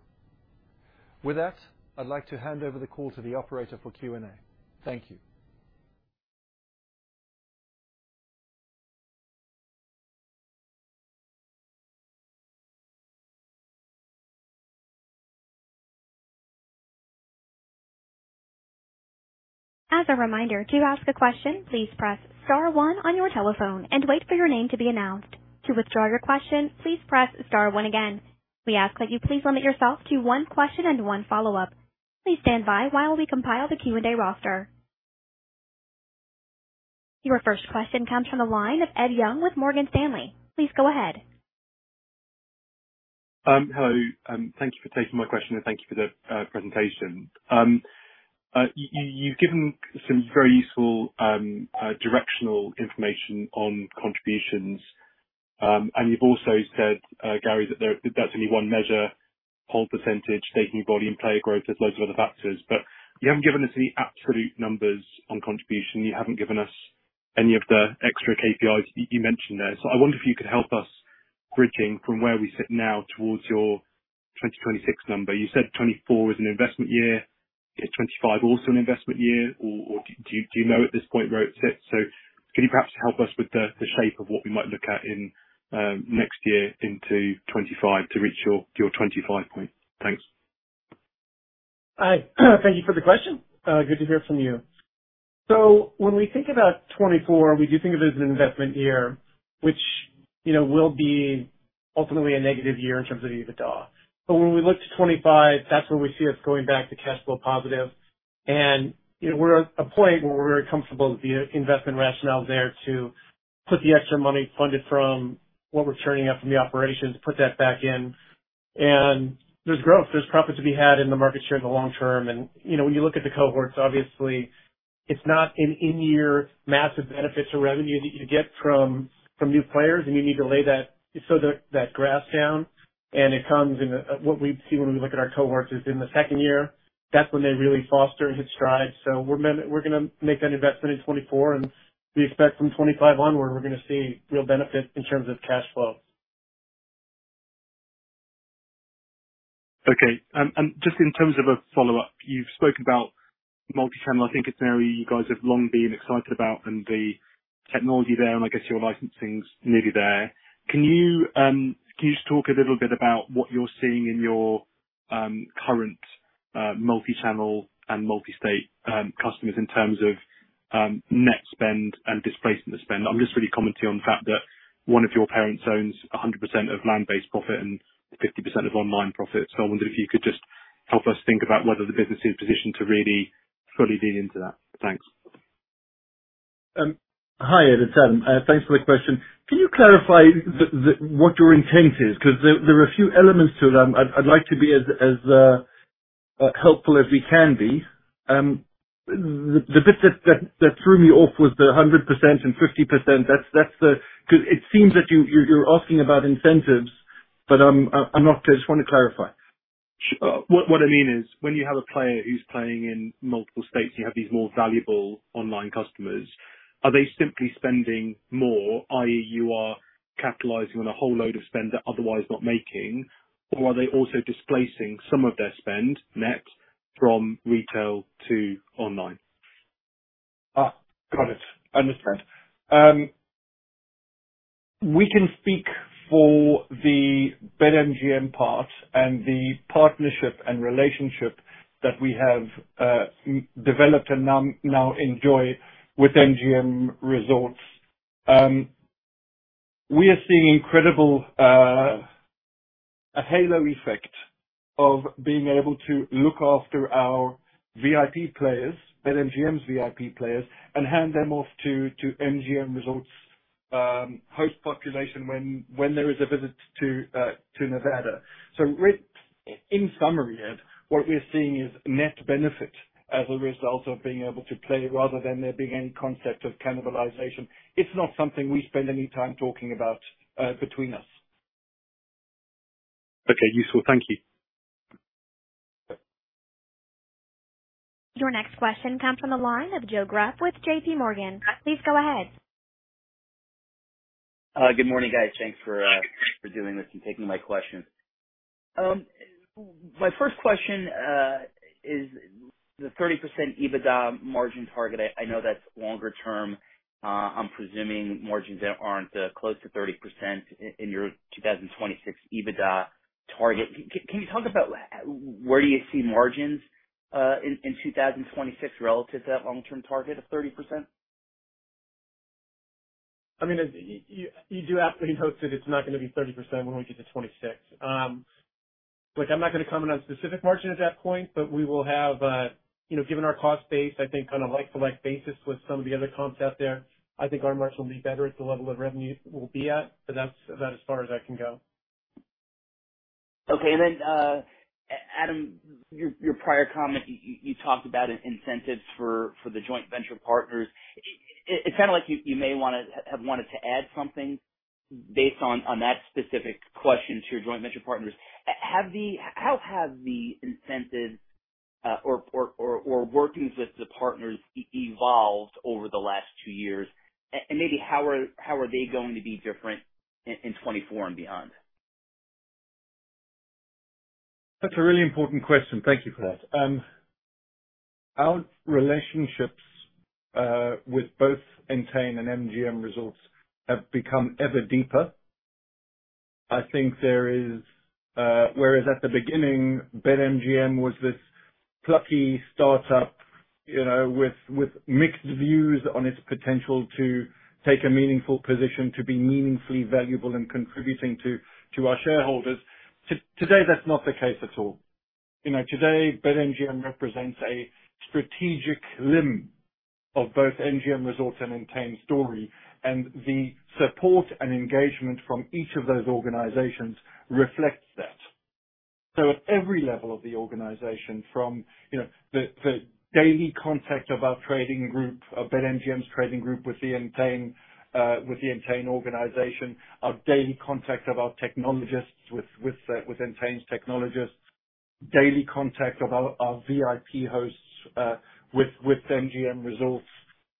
With that, I'd like to hand over the call to the operator for Q&A. Thank you. As a reminder, to ask a question, please press star one on your telephone and wait for your name to be announced. To withdraw your question, please press star one again. We ask that you please limit yourself to one question and one follow-up. Please stand by while we compile the Q&A roster. Your first question comes from the line of Edward Young with Morgan Stanley. Please go ahead. Hello. Thank you for taking my question and thank you for the presentation. You've given some very useful directional information on contributions, and you've also said, Gary, that that's only one measure, hold percentage, taking volume, player growth, there's loads of other factors. But you haven't given us any absolute numbers on contribution. You haven't given us any of the extra KPIs you mentioned there. So I wonder if you could help us bridging from where we sit now towards your 2026 number. You said 2024 is an investment year. Is 2025 also an investment year, or do you know at this point where it sits? So could you perhaps help us with the shape of what we might look at in next year into 2025 to reach your 2025 point? Thanks. Hi. Thank you for the question. Good to hear from you, so when we think about 2024, we do think of it as an investment year, which will be ultimately a negative year in terms of EBITDA. But when we look to 2025, that's where we see us going back to cash flow positive, and we're at a point where we're very comfortable with the investment rationale there to put the extra money funded from what we're churning out from the operations, put that back in, and there's growth. There's profit to be had in the market share in the long term, and when you look at the cohorts, obviously, it's not an in-year massive benefit to revenue that you get from new players, and you need to lay that grass down. And it comes in what we see when we look at our cohorts is in the second year. That's when they really foster and hit strides. So we're going to make that investment in 2024, and we expect from 2025 onward, we're going to see real benefit in terms of cash flow. Okay, and just in terms of a follow-up, you've spoken about multi-channel. I think it's an area you guys have long been excited about and the technology there, and I guess your licensing's nearly there. Can you just talk a little bit about what you're seeing in your current multi-channel and multi-state customers in terms of net spend and displacement spend? I'm just really commenting on the fact that one of your parents owns 100% of land-based profit and 50% of online profit, so I wondered if you could just help us think about whether the business is positioned to really fully lean into that. Thanks. Hi, Ed. It's Adam. Thanks for the question. Can you clarify what your intent is? Because there are a few elements to it. I'd like to be as helpful as we can be. The bit that threw me off was the 100% and 50%. It seems that you're asking about incentives, but I'm not clear. I just want to clarify. What I mean is, when you have a player who's playing in multiple states and you have these more valuable online customers, are they simply spending more, i.e., you are capitalizing on a whole load of spend they're otherwise not making, or are they also displacing some of their spend net from retail to online? Got it. Understood. We can speak for the BetMGM part and the partnership and relationship that we have developed and now enjoy with MGM Resorts. We are seeing an incredible halo effect of being able to look after our VIP players, BetMGM's VIP players, and hand them off to MGM Resorts' host population when there is a visit to Nevada. So in summary, Edward, what we're seeing is net benefit as a result of being able to play rather than there being any concept of cannibalization. It's not something we spend any time talking about between us. Okay. Useful. Thank you. Your next question comes from the line of Joseph Greff with JPMorgan Chase & Co. Please go ahead. Good morning, guys. Thanks for doing this and taking my questions. My first question is the 30% EBITDA margin target. I know that's longer term. I'm presuming margins that aren't close to 30% in your 2026 EBITDA target. Can you talk about where do you see margins in 2026 relative to that long-term target of 30%? I mean, you do aptly note that it's not going to be 30% when we get to 2026. I'm not going to comment on specific margin at that point, but we will have, given our cost base, I think on a like-for-like basis with some of the other comps out there, I think our margin will be better at the level of revenue we'll be at. But that's about as far as I can go. Okay. And then, Adam, your prior comment, you talked about incentives for the joint venture partners. It sounded like you may have wanted to add something based on that specific question to your joint venture partners. How have the incentives or workings with the partners evolved over the last two years? And maybe how are they going to be different in 2024 and beyond? That's a really important question. Thank you for that. Our relationships with both Entain and MGM Resorts have become ever deeper. I think there is, whereas at the beginning, BetMGM was this plucky startup with mixed views on its potential to take a meaningful position, to be meaningfully valuable in contributing to our shareholders. Today, that's not the case at all. Today, BetMGM represents a strategic limb of both MGM Resorts and Entain's story, and the support and engagement from each of those organizations reflects that. So at every level of the organization, from the daily contact of our trading group, BetMGM's trading group with the Entain organization, our daily contact of our technologists with Entain's technologists, daily contact of our VIP hosts with MGM Resorts,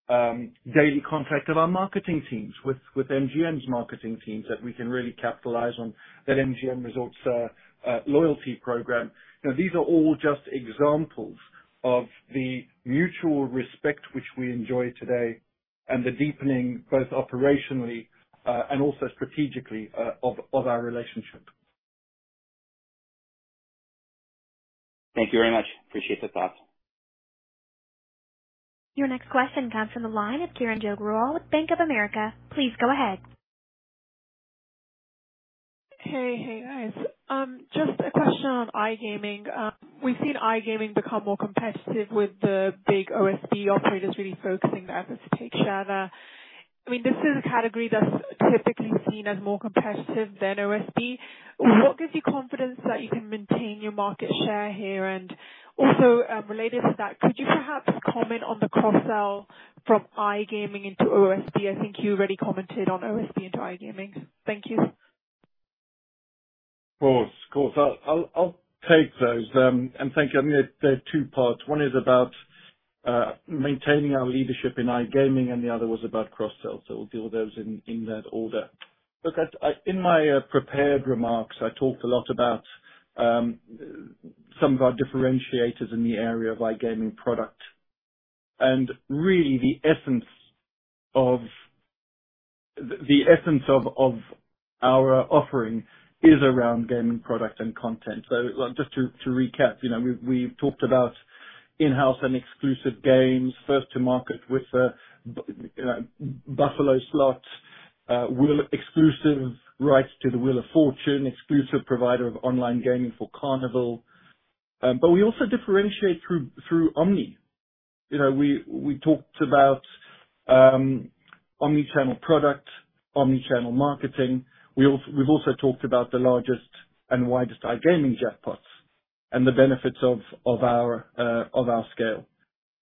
daily contact of our marketing teams with MGM's marketing teams that we can really capitalize on, that MGM Resorts' loyalty program. These are all just examples of the mutual respect which we enjoy today and the deepening both operationally and also strategically of our relationship. Thank you very much. Appreciate the thought. Your next question comes from the line of Kiranjit Grewal with Bank of America. Please go ahead. Hey, hey, guys. Just a question on iGaming. We've seen iGaming become more competitive with the big OSB operators really focusing their efforts to take share there. I mean, this is a category that's typically seen as more competitive than OSB. What gives you confidence that you can maintain your market share here? And also, related to that, could you perhaps comment on the cross-sell from iGaming into OSB? I think you already commented on OSB into iGaming. Thank you. Of course. Of course. I'll take those and thank you. I mean, they're two parts. One is about maintaining our leadership in iGaming, and the other was about cross-sell, so we'll deal with those in that order. Look, in my prepared remarks, I talked a lot about some of our differentiators in the area of iGaming product, and really, the essence of our offering is around gaming product and content, so just to recap, we've talked about in-house and exclusive games, first-to-market with Buffalo slot, exclusive rights to the Wheel of Fortune, exclusive provider of online gaming for Carnival, but we also differentiate through omni. We talked about omnichannel product, omnichannel marketing. We've also talked about the largest and widest iGaming jackpots and the benefits of our scale.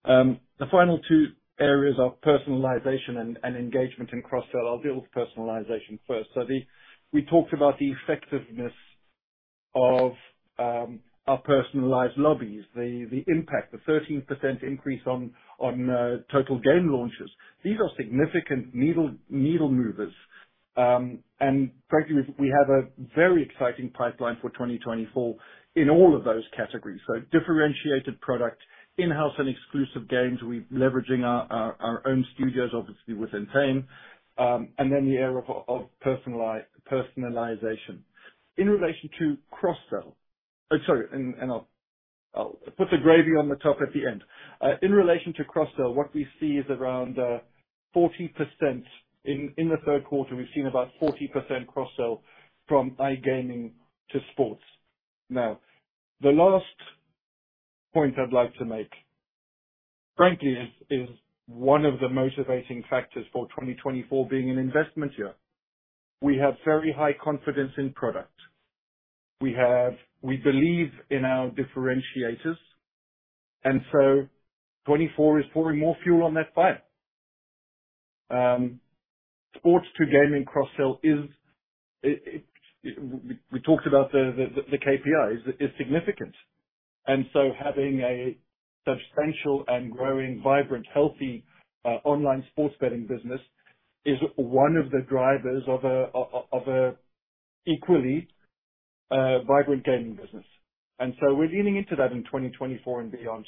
The final two areas are personalization and engagement and cross-sell. I'll deal with personalization first. We talked about the effectiveness of our personalized lobbies, the impact, the 13% increase on total game launches. These are significant needle movers. Frankly, we have a very exciting pipeline for 2024 in all of those categories. Differentiated product, in-house and exclusive games, we're leveraging our own studios, obviously, within Entain, and then the area of personalization. In relation to cross-sell, sorry, and I'll put the gravy on the top at the end. In relation to cross-sell, what we see is around 40%. In the third quarter, we've seen about 40% cross-sell from iGaming to sports. Now, the last point I'd like to make, frankly, is one of the motivating factors for 2024 being an investment year. We have very high confidence in product. We believe in our differentiators. And so 2024 is pouring more fuel on that fire. Sports to gaming cross-sell is, we talked about the KPIs, significant. And so having a substantial and growing, vibrant, healthy online sports betting business is one of the drivers of an equally vibrant gaming business. And so we're leaning into that in 2024 and beyond.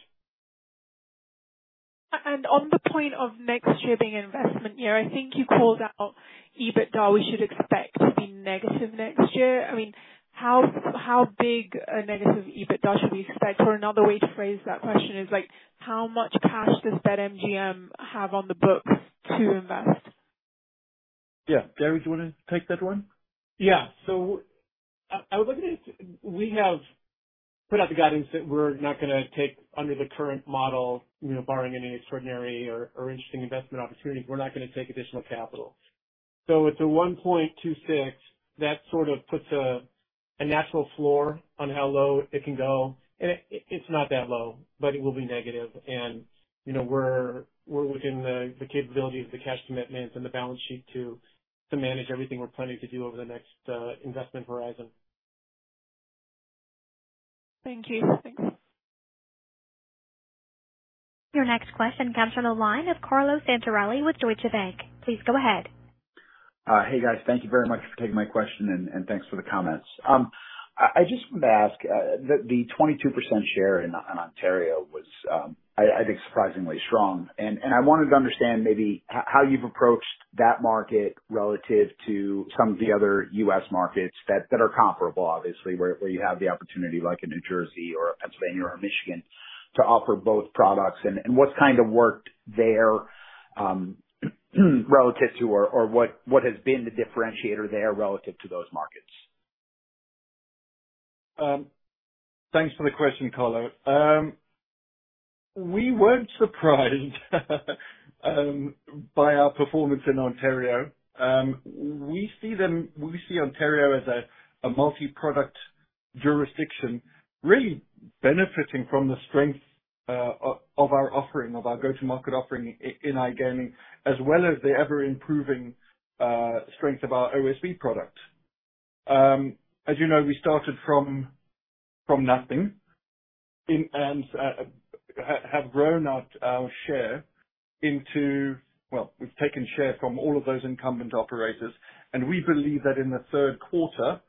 On the point of next year being an investment year, I think you called out EBITDA we should expect to be negative next year. I mean, how big a negative EBITDA should we expect? Or another way to phrase that question is, how much cash does BetMGM have on the books to invest? Yeah. Gary, do you want to take that one? Yeah. We have put out the guidance that we're not going to take under the current model, barring any extraordinary or interesting investment opportunities, we're not going to take additional capital. So it's a 1.26. That sort of puts a natural floor on how low it can go. It's not that low, but it will be negative. We're within the capability of the cash commitments and the balance sheet to manage everything we're planning to do over the next investment horizon. Thank you. Thanks. Your next question comes from the line of Carlo Santarelli with Deutsche Bank. Please go ahead. Hey, guys. Thank you very much for taking my question, and thanks for the comments. I just wanted to ask, the 22% share in Ontario was, I think, surprisingly strong. And I wanted to understand maybe how you've approached that market relative to some of the other U.S. markets that are comparable, obviously, where you have the opportunity like in New Jersey or Pennsylvania or Michigan to offer both products. And what's kind of worked there relative to, or what has been the differentiator there relative to those markets? Thanks for the question, Carlo. We weren't surprised by our performance in Ontario. We see Ontario as a multi-product jurisdiction really benefiting from the strength of our offering, of our go-to-market offering in iGaming, as well as the ever-improving strength of our OSB product. As you know, we started from nothing and have grown our share into, well, we've taken share from all of those incumbent operators, and we believe that in the third quarter,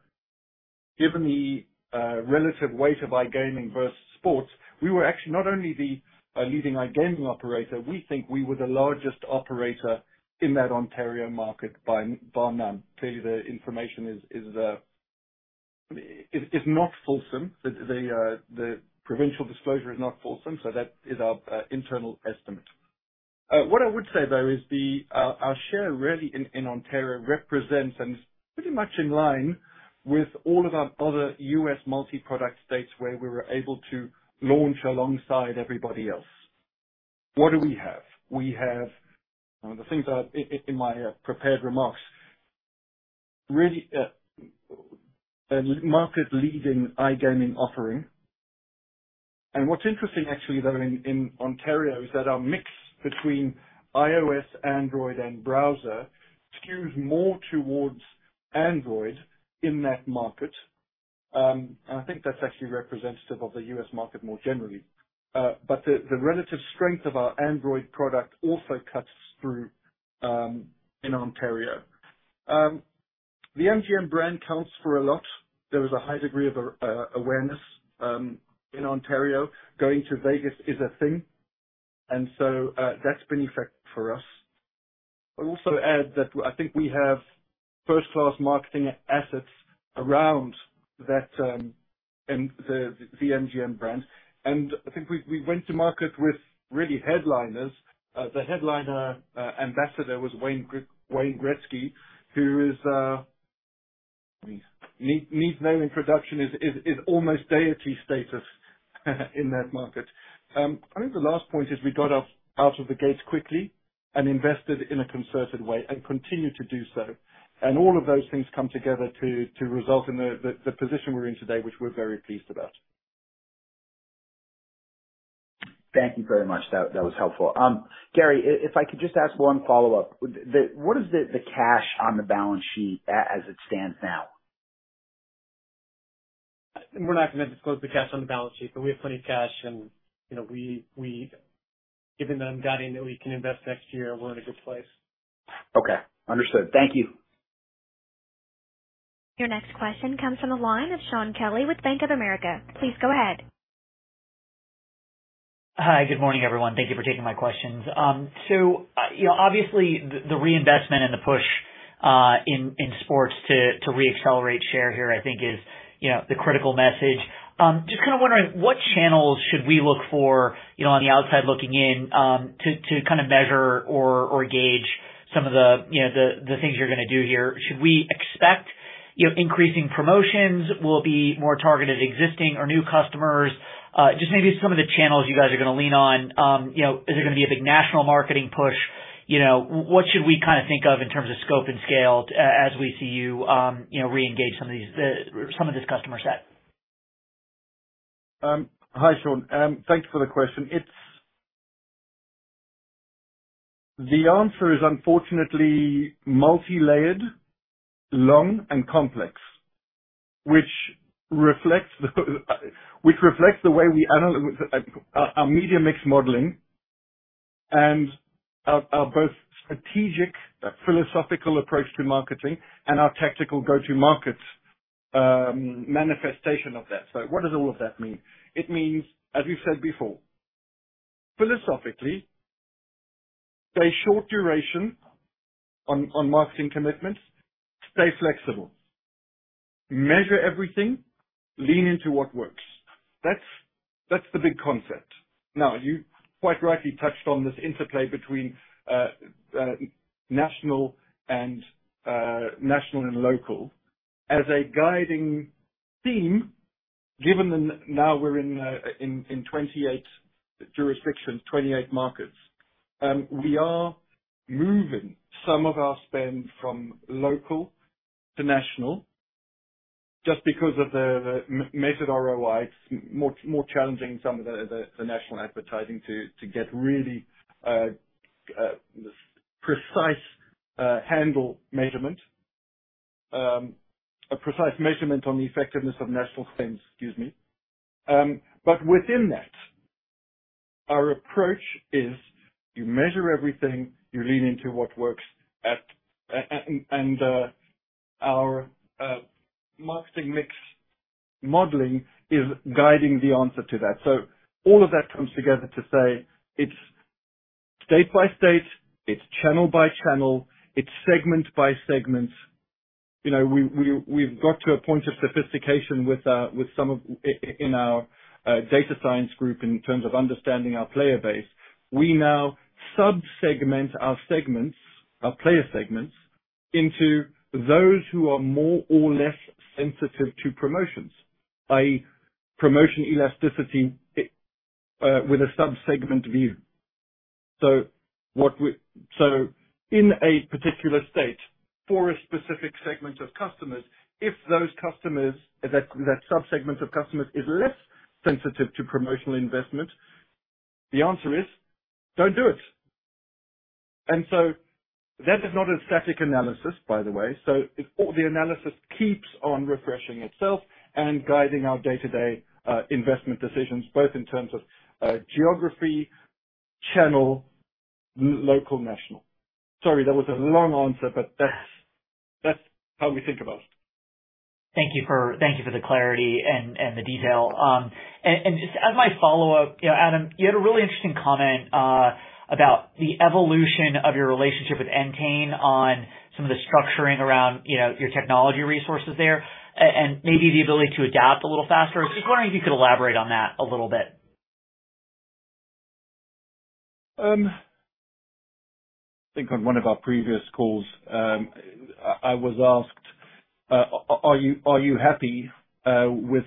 given the relative weight of iGaming versus sports, we were actually not only the leading iGaming operator. We think we were the largest operator in that Ontario market by NGR. Clearly, the information is not fulsome. The provincial disclosure is not fulsome, so that is our internal estimate. What I would say, though, is our share really in Ontario represents and is pretty much in line with all of our other U.S. multi-product states where we were able to launch alongside everybody else. What do we have? We have, and the things are in my prepared remarks, really a market-leading iGaming offering. And what's interesting, actually, though, in Ontario is that our mix between iOS, Android, and browser skews more towards Android in that market. And I think that's actually representative of the U.S. market more generally. But the relative strength of our Android product also cuts through in Ontario. The MGM brand counts for a lot. There is a high degree of awareness in Ontario. Going to Vegas is a thing. And so that's been effective for us. I'll also add that I think we have first-class marketing assets around that and the MGM brand. And I think we went to market with really headliners. The headliner ambassador was Wayne Gretzky, who is, needs no introduction, is almost deity status in that market. I think the last point is we got out of the gates quickly and invested in a concerted way and continue to do so. And all of those things come together to result in the position we're in today, which we're very pleased about. Thank you very much. That was helpful. Gary, if I could just ask one follow-up, what is the cash on the balance sheet as it stands now? We're not going to disclose the cash on the balance sheet, but we have plenty of cash, and given the guidance that we can invest next year, we're in a good place. Okay. Understood. Thank you. Your next question comes from the line of Shaun Kelley with Bank of America. Please go ahead. Hi. Good morning, everyone. Thank you for taking my questions. So obviously, the reinvestment and the push in sports to re-accelerate share here, I think, is the critical message. Just kind of wondering, what channels should we look for on the outside looking in to kind of measure or gauge some of the things you're going to do here? Should we expect increasing promotions? Will it be more targeted existing or new customers? Just maybe some of the channels you guys are going to lean on. Is there going to be a big national marketing push? What should we kind of think of in terms of scope and scale as we see you re-engage some of this customer set? Hi, Shaun. Thank you for the question. The answer is, unfortunately, multi-layered, long, and complex, which reflects the way we analyze our media mix modeling and our both strategic, philosophical approach to marketing and our tactical go-to-market manifestation of that. So what does all of that mean? It means, as we've said before, philosophically, stay short duration on marketing commitments, stay flexible, measure everything, lean into what works. That's the big concept. Now, you quite rightly touched on this interplay between national and local as a guiding theme, given that now we're in 28 jurisdictions, 28 markets. We are moving some of our spend from local to national just because of the measured ROI. It's more challenging some of the national advertising to get really precise handle measurement, a precise measurement on the effectiveness of national spend, excuse me. But within that, our approach is you measure everything, you lean into what works, and our marketing mix modeling is guiding the answer to that. So all of that comes together to say it's state by state, it's channel by channel, it's segment by segment. We've got to a point of sophistication with some in our data science group in terms of understanding our player base. We now subsegment our segments, our player segments, into those who are more or less sensitive to promotions, i.e., promotion elasticity with a subsegment view. So in a particular state, for a specific segment of customers, if those customers, that subsegment of customers, is less sensitive to promotional investment, the answer is, don't do it. And so that is not a static analysis, by the way. So the analysis keeps on refreshing itself and guiding our day-to-day investment decisions, both in terms of geography, channel, local, national. Sorry, that was a long answer, but that's how we think about it. Thank you for the clarity and the detail. And as my follow-up, Adam, you had a really interesting comment about the evolution of your relationship with Entain on some of the structuring around your technology resources there and maybe the ability to adapt a little faster. Just wondering if you could elaborate on that a little bit. I think on one of our previous calls, I was asked, "Are you happy with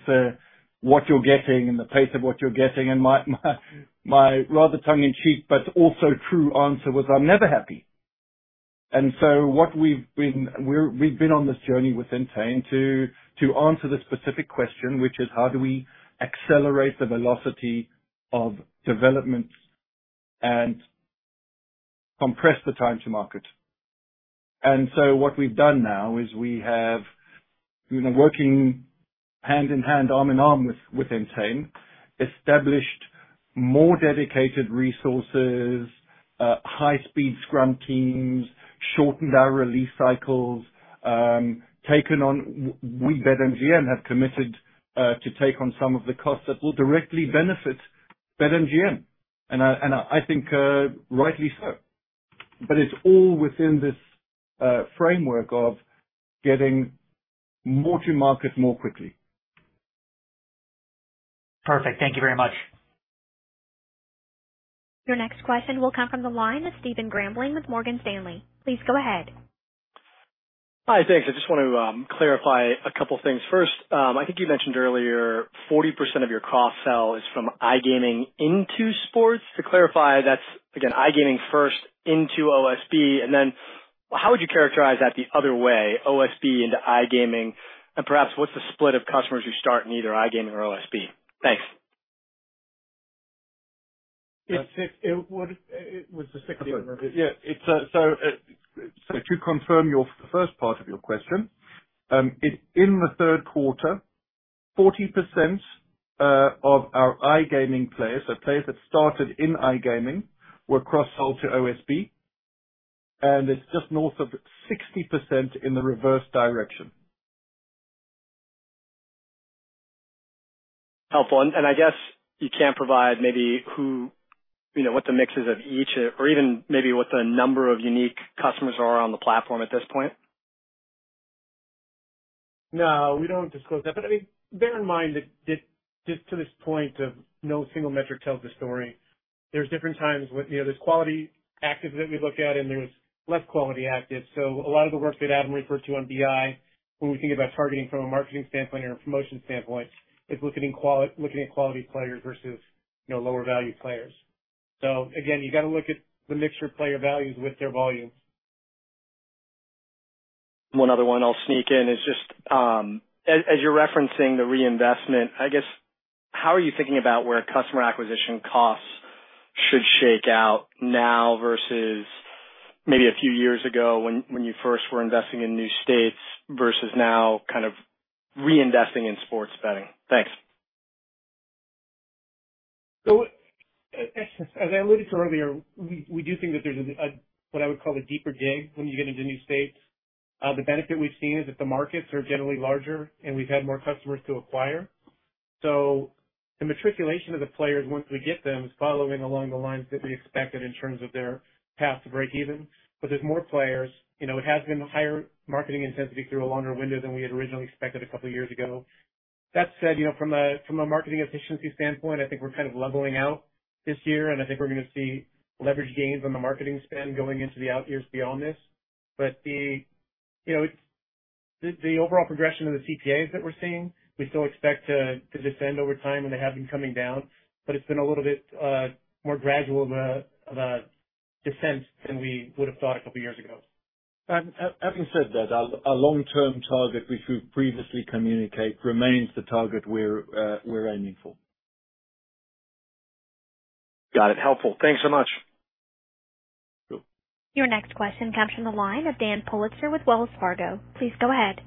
what you're getting and the pace of what you're getting?" And my rather tongue-in-cheek, but also true answer was, "I'm never happy." And so we've been on this journey with Entain to answer the specific question, which is, how do we accelerate the velocity of developments and compress the time to market? And so what we've done now is we have, working hand in hand, arm in arm with Entain, established more dedicated resources, high-speed Scrum teams, shortened our release cycles, taken on we BetMGM have committed to take on some of the costs that will directly benefit BetMGM. And I think rightly so. But it's all within this framework of getting more to market more quickly. Perfect. Thank you very much. Your next question will come from the line of Stephen Grambling with Morgan Stanley. Please go ahead. Hi, thanks. I just want to clarify a couple of things. First, I think you mentioned earlier 40% of your cross-sell is from iGaming into sports. To clarify, that's, again, iGaming first into OSB. And then how would you characterize that the other way, OSB into iGaming? And perhaps what's the split of customers who start in either iGaming or OSB? Thanks. It was the sixth quarter. Yeah, so to confirm the first part of your question, in the third quarter, 40% of our iGaming players, so players that started in iGaming, were cross-sold to OSB, and it's just north of 60% in the reverse direction. Helpful. And I guess you can't provide maybe what the mix is of each, or even maybe what the number of unique customers are on the platform at this point? No, we don't disclose that. But I mean, bear in mind that just to this point of no single metric tells the story. There's different times when there's quality active that we look at, and there's less quality active. So a lot of the work that Adam referred to on BI, when we think about targeting from a marketing standpoint or a promotion standpoint, it's looking at quality players versus lower-value players. So again, you got to look at the mixture of player values with their volumes. One other one I'll sneak in is just, as you're referencing the reinvestment, I guess, how are you thinking about where customer acquisition costs should shake out now versus maybe a few years ago when you first were investing in new states versus now kind of reinvesting in sports betting? Thanks. As I alluded to earlier, we do think that there's what I would call a deeper dig when you get into new states. The benefit we've seen is that the markets are generally larger, and we've had more customers to acquire. So the maturation of the players once we get them is following along the lines that we expected in terms of their path to break even. But there's more players. It has been higher marketing intensity through a longer window than we had originally expected a couple of years ago. That said, from a marketing efficiency standpoint, I think we're kind of leveling out this year. And I think we're going to see leverage gains on the marketing spend going into the out years beyond this. But the overall progression of the CPAs that we're seeing, we still expect to descend over time, and they have been coming down. But it's been a little bit more gradual of a descent than we would have thought a couple of years ago. Having said that, our long-term target, which we've previously communicated, remains the target we're aiming for. Got it. Helpful. Thanks so much. Your next question comes from the line of Dan Politzer with Wells Fargo. Please go ahead.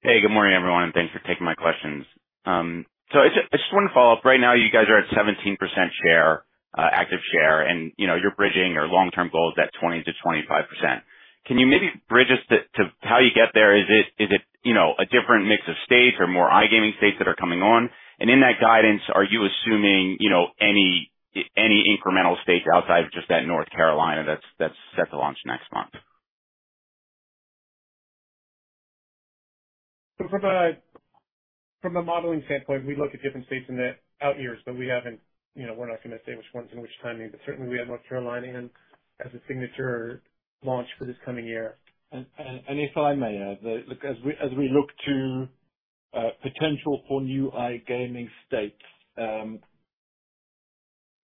Hey, good morning, everyone, and thanks for taking my questions. So I just want to follow up. Right now, you guys are at 17% active share, and you're bridging your long-term goals at 20%-25%. Can you maybe bridge us to how you get there? Is it a different mix of states or more iGaming states that are coming on? And in that guidance, are you assuming any incremental states outside of just that North Carolina that's set to launch next month? From the modeling standpoint, we look at different states in the out years, but we haven't, we're not going to say which ones and which timing. But certainly, we have North Carolina in as a signature launch for this coming year. And if I may, as we look to potential for new iGaming states,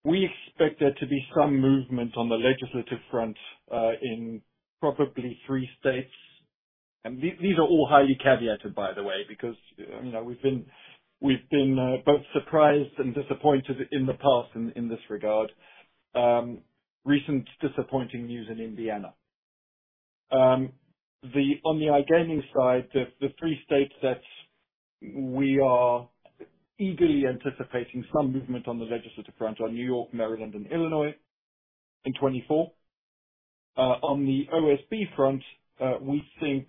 we expect there to be some movement on the legislative front in probably three states. And these are all highly caveated, by the way, because we've been both surprised and disappointed in the past in this regard. Recent disappointing news in Indiana. On the iGaming side, the three states that we are eagerly anticipating some movement on the legislative front are New York, Maryland, and Illinois in 2024. On the OSB front, we think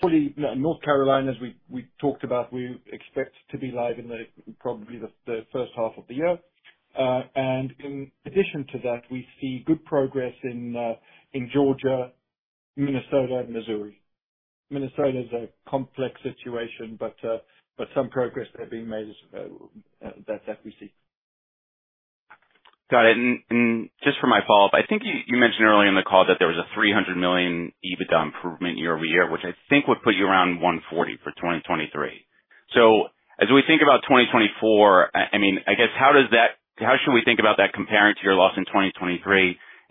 fully North Carolina, as we talked about, we expect to be live in probably the first half of the year. And in addition to that, we see good progress in Georgia, Minnesota, and Missouri. Minnesota is a complex situation, but some progress that's being made is that we see. Got it. And just for my follow-up, I think you mentioned earlier in the call that there was a $300 million EBITDA improvement year-over-year, which I think would put you around $140 million for 2023. So as we think about 2024, I mean, I guess how should we think about that comparing to your loss in 2023?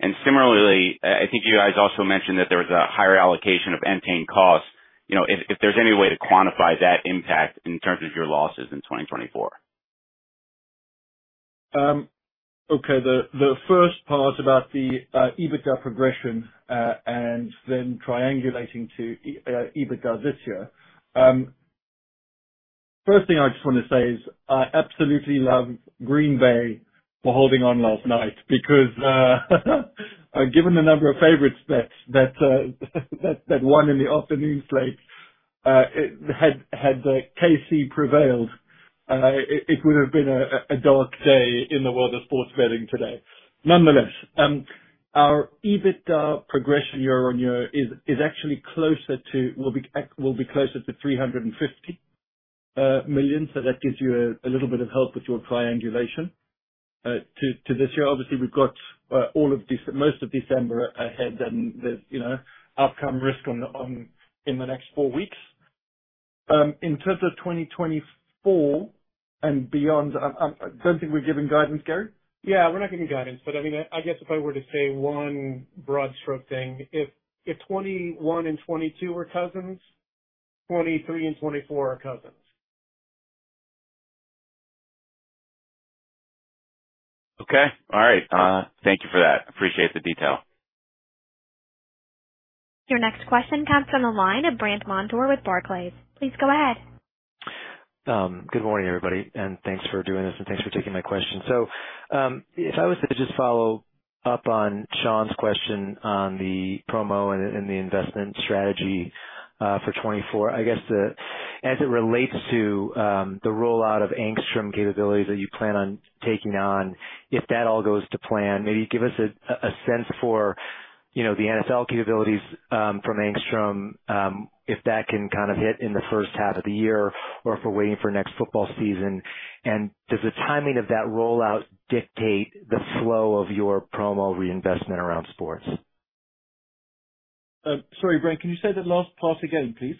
And similarly, I think you guys also mentioned that there was a higher allocation of Entain costs. If there's any way to quantify that impact in terms of your losses in 2024? Okay. The first part about the EBITDA progression and then triangulating to EBITDA this year, first thing I just want to say is I absolutely love Green Bay for holding on last night because, given the number of favorites that won in the afternoon slate, had KC prevailed, it would have been a dark day in the world of sports betting today. Nonetheless, our EBITDA progression year on year is actually closer to, will be closer to $350 million. So that gives you a little bit of help with your triangulation to this year. Obviously, we've got most of December ahead and the outcome risk in the next four weeks. In terms of 2024 and beyond, I don't think we're given guidance, Gary? Yeah, we're not given guidance. But I mean, I guess if I were to say one broad stroke thing, if 2021 and 2022 were cousins, 2023 and 2024 are cousins. Okay. All right. Thank you for that. Appreciate the detail. Your next question comes from the line of Brant Montour with Barclays. Please go ahead. Good morning, everybody, and thanks for doing this and thanks for taking my question. So if I was to just follow up on Sean's question on the promo and the investment strategy for 2024, I guess as it relates to the rollout of Angstrom capabilities that you plan on taking on, if that all goes to plan, maybe give us a sense for the NFL capabilities from Angstrom, if that can kind of hit in the first half of the year or if we're waiting for next football season, and does the timing of that rollout dictate the flow of your promo reinvestment around sports? Sorry, Brant, can you say that last part again, please?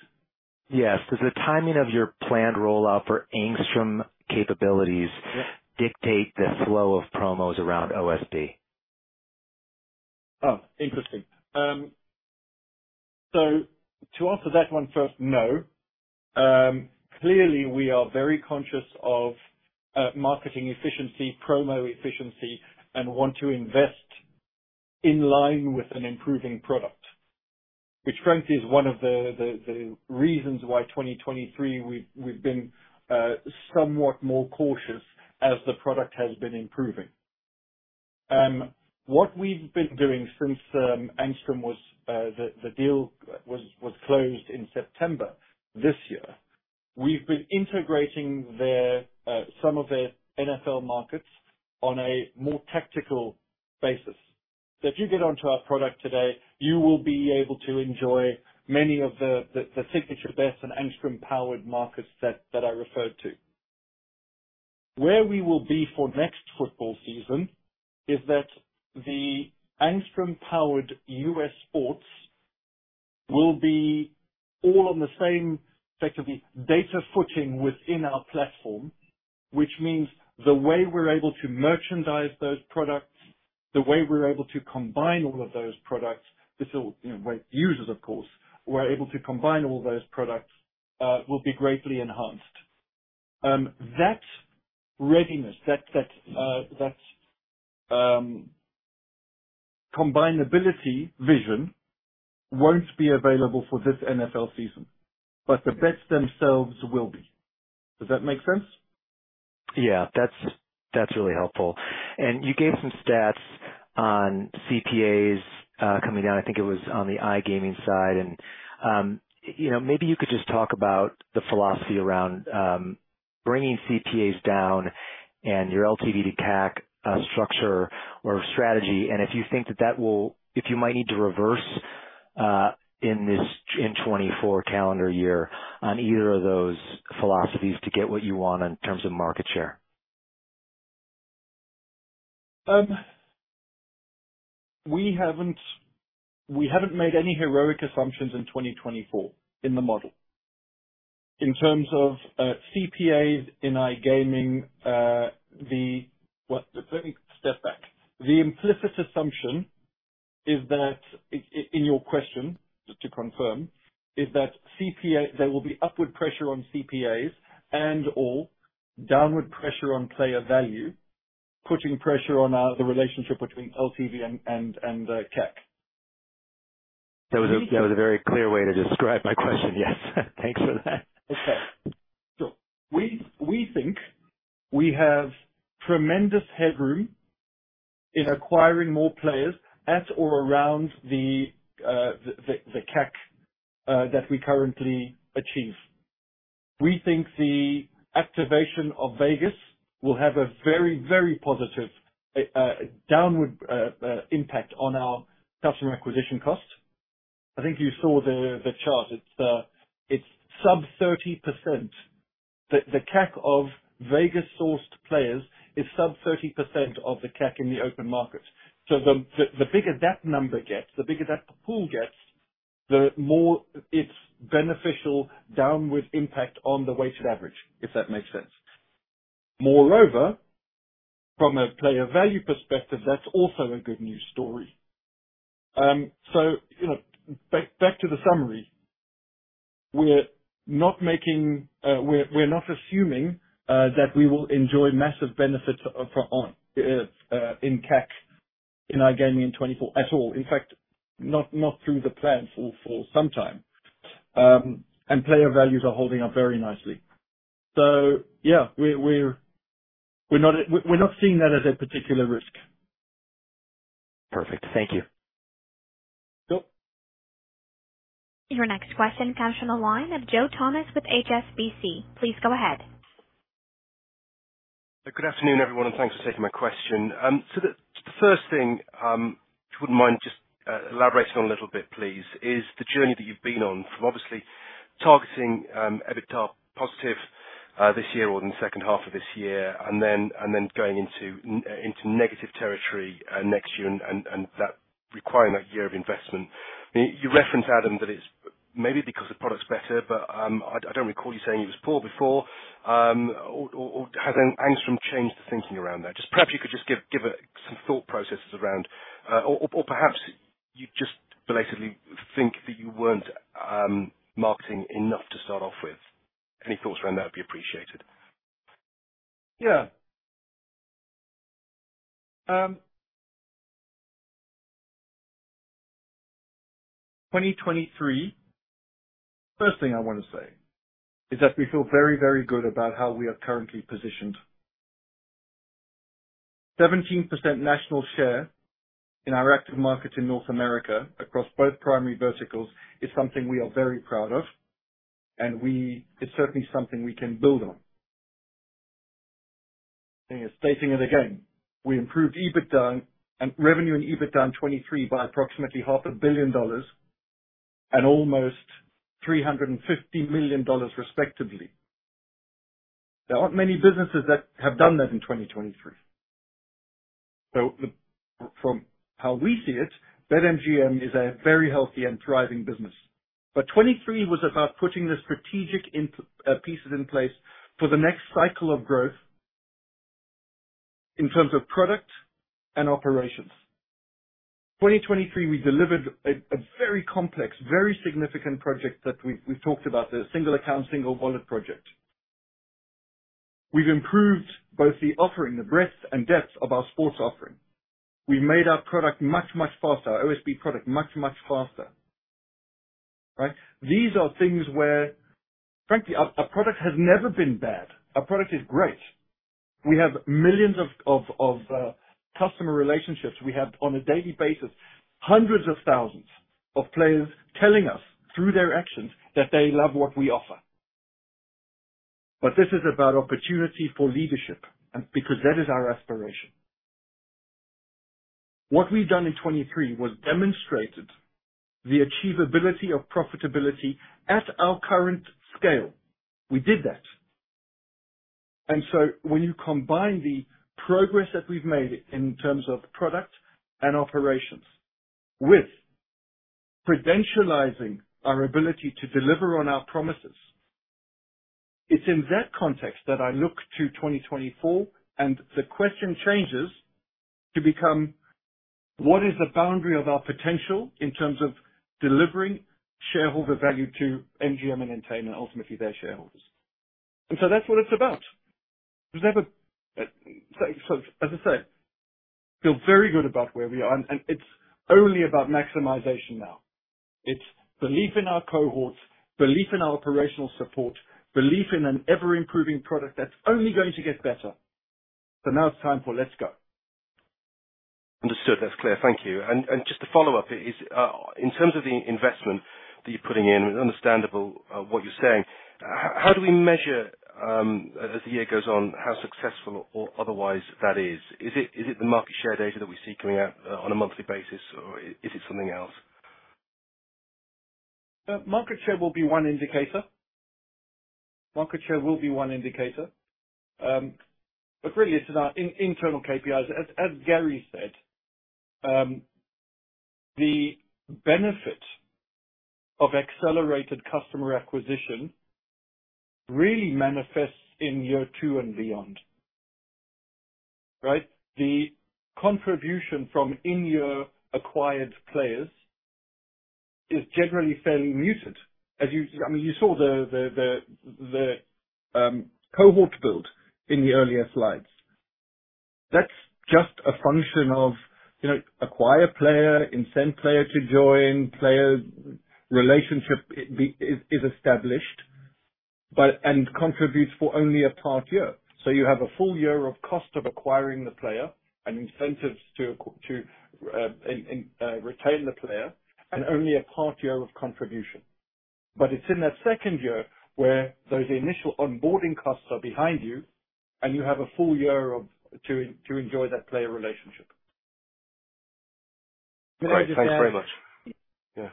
Yes. Does the timing of your planned rollout for Angstrom capabilities dictate the flow of promos around OSB? Oh, interesting. So to answer that one first, no. Clearly, we are very conscious of marketing efficiency, promo efficiency, and want to invest in line with an improving product, which frankly is one of the reasons why, in 2023, we've been somewhat more cautious as the product has been improving. What we've been doing since Angstrom, the deal was closed in September this year, we've been integrating some of the NFL markets on a more tactical basis. So if you get onto our product today, you will be able to enjoy many of the signature bets and Angstrom-powered markets that I referred to. Where we will be for next football season is that the Angstrom-powered U.S. sports will be all on the same data footing within our platform, which means the way we're able to merchandise those products, the way we're able to combine all of those products (users, of course, we're able to combine all those products) will be greatly enhanced. That readiness, that combinability vision won't be available for this NFL season, but the bets themselves will be. Does that make sense? Yeah. That's really helpful. And you gave some stats on CPAs coming down. I think it was on the iGaming side. And maybe you could just talk about the philosophy around bringing CPAs down and your LTV to CAC structure or strategy, and if you think that that will—if you might need to reverse in this 2024 calendar year on either of those philosophies to get what you want in terms of market share. We haven't made any heroic assumptions in 2024 in the model. In terms of CPAs in iGaming, the, well, let me step back. The implicit assumption is that, in your question, to confirm, is that there will be upward pressure on CPAs and/or downward pressure on player value, putting pressure on the relationship between LTV and CAC. That was a very clear way to describe my question. Yes. Thanks for that. Okay. Sure. We think we have tremendous headroom in acquiring more players at or around the CAC that we currently achieve. We think the activation of Vegas will have a very, very positive downward impact on our customer acquisition cost. I think you saw the chart. It's sub 30%. The CAC of Vegas-sourced players is sub 30% of the CAC in the open market. So the bigger that number gets, the bigger that pool gets, the more it's beneficial downward impact on the weighted average, if that makes sense. Moreover, from a player value perspective, that's also a good news story. So back to the summary, we're not making, we're not assuming that we will enjoy massive benefits in CAC in iGaming in 2024 at all. In fact, not through the plan for some time, and player values are holding up very nicely. Yeah, we're not seeing that as a particular risk. Perfect. Thank you. Yep. Your next question comes from the line of Joseph Thomas with HSBC. Please go ahead. Good afternoon, everyone, and thanks for taking my question. So the first thing, if you wouldn't mind just elaborating on a little bit, please, is the journey that you've been on from obviously targeting EBITDA positive this year or in the second half of this year, and then going into negative territory next year and requiring that year of investment. You referenced, Adam, that it's maybe because the product's better, but I don't recall you saying it was poor before. Or has Angstrom changed the thinking around that? Just perhaps you could just give some thought processes around, or perhaps you just belatedly think that you weren't marketing enough to start off with. Any thoughts around that would be appreciated. Yeah. 2023, first thing I want to say is that we feel very, very good about how we are currently positioned. 17% national share in our active market in North America across both primary verticals is something we are very proud of, and it's certainly something we can build on. Stating it again, we improved revenue and EBITDA in 2023 by approximately $500 million and almost $350 million, respectively. There aren't many businesses that have done that in 2023. So from how we see it, BetMGM is a very healthy and thriving business. But 2023 was about putting the strategic pieces in place for the next cycle of growth in terms of product and operations. 2023, we delivered a very complex, very significant project that we've talked about, the single-account, single-wallet project. We've improved both the offering, the breadth, and depth of our sports offering. We've made our product much, much faster, our OSB product much, much faster. Right? These are things where, frankly, a product has never been bad. A product is great. We have millions of customer relationships. We have, on a daily basis, hundreds of thousands of players telling us through their actions that they love what we offer. But this is about opportunity for leadership because that is our aspiration. What we've done in 2023 was demonstrate the achievability of profitability at our current scale. We did that. And so when you combine the progress that we've made in terms of product and operations with credentializing our ability to deliver on our promises, it's in that context that I look to 2024, and the question changes to become, what is the boundary of our potential in terms of delivering shareholder value to MGM and Entain, and ultimately their shareholders? And so that's what it's about. So as I say, I feel very good about where we are, and it's only about maximization now. It's belief in our cohorts, belief in our operational support, belief in an ever-improving product that's only going to get better. So now it's time for, "Let's go. Understood. That's clear. Thank you, and just to follow up, in terms of the investment that you're putting in, it's understandable what you're saying. How do we measure, as the year goes on, how successful or otherwise that is? Is it the market share data that we see coming out on a monthly basis, or is it something else? Market share will be one indicator. But really, it's about internal KPIs. As Gary said, the benefit of accelerated customer acquisition really manifests in year two and beyond. Right? The contribution from in-year acquired players is generally fairly muted. I mean, you saw the cohort build in the earlier slides. That's just a function of acquire player, incent player to join, player relationship is established, and contributes for only a part year. So you have a full year of cost of acquiring the player and incentives to retain the player and only a part year of contribution. But it's in that second year where those initial onboarding costs are behind you, and you have a full year to enjoy that player relationship. All right. Thanks very much. Yeah.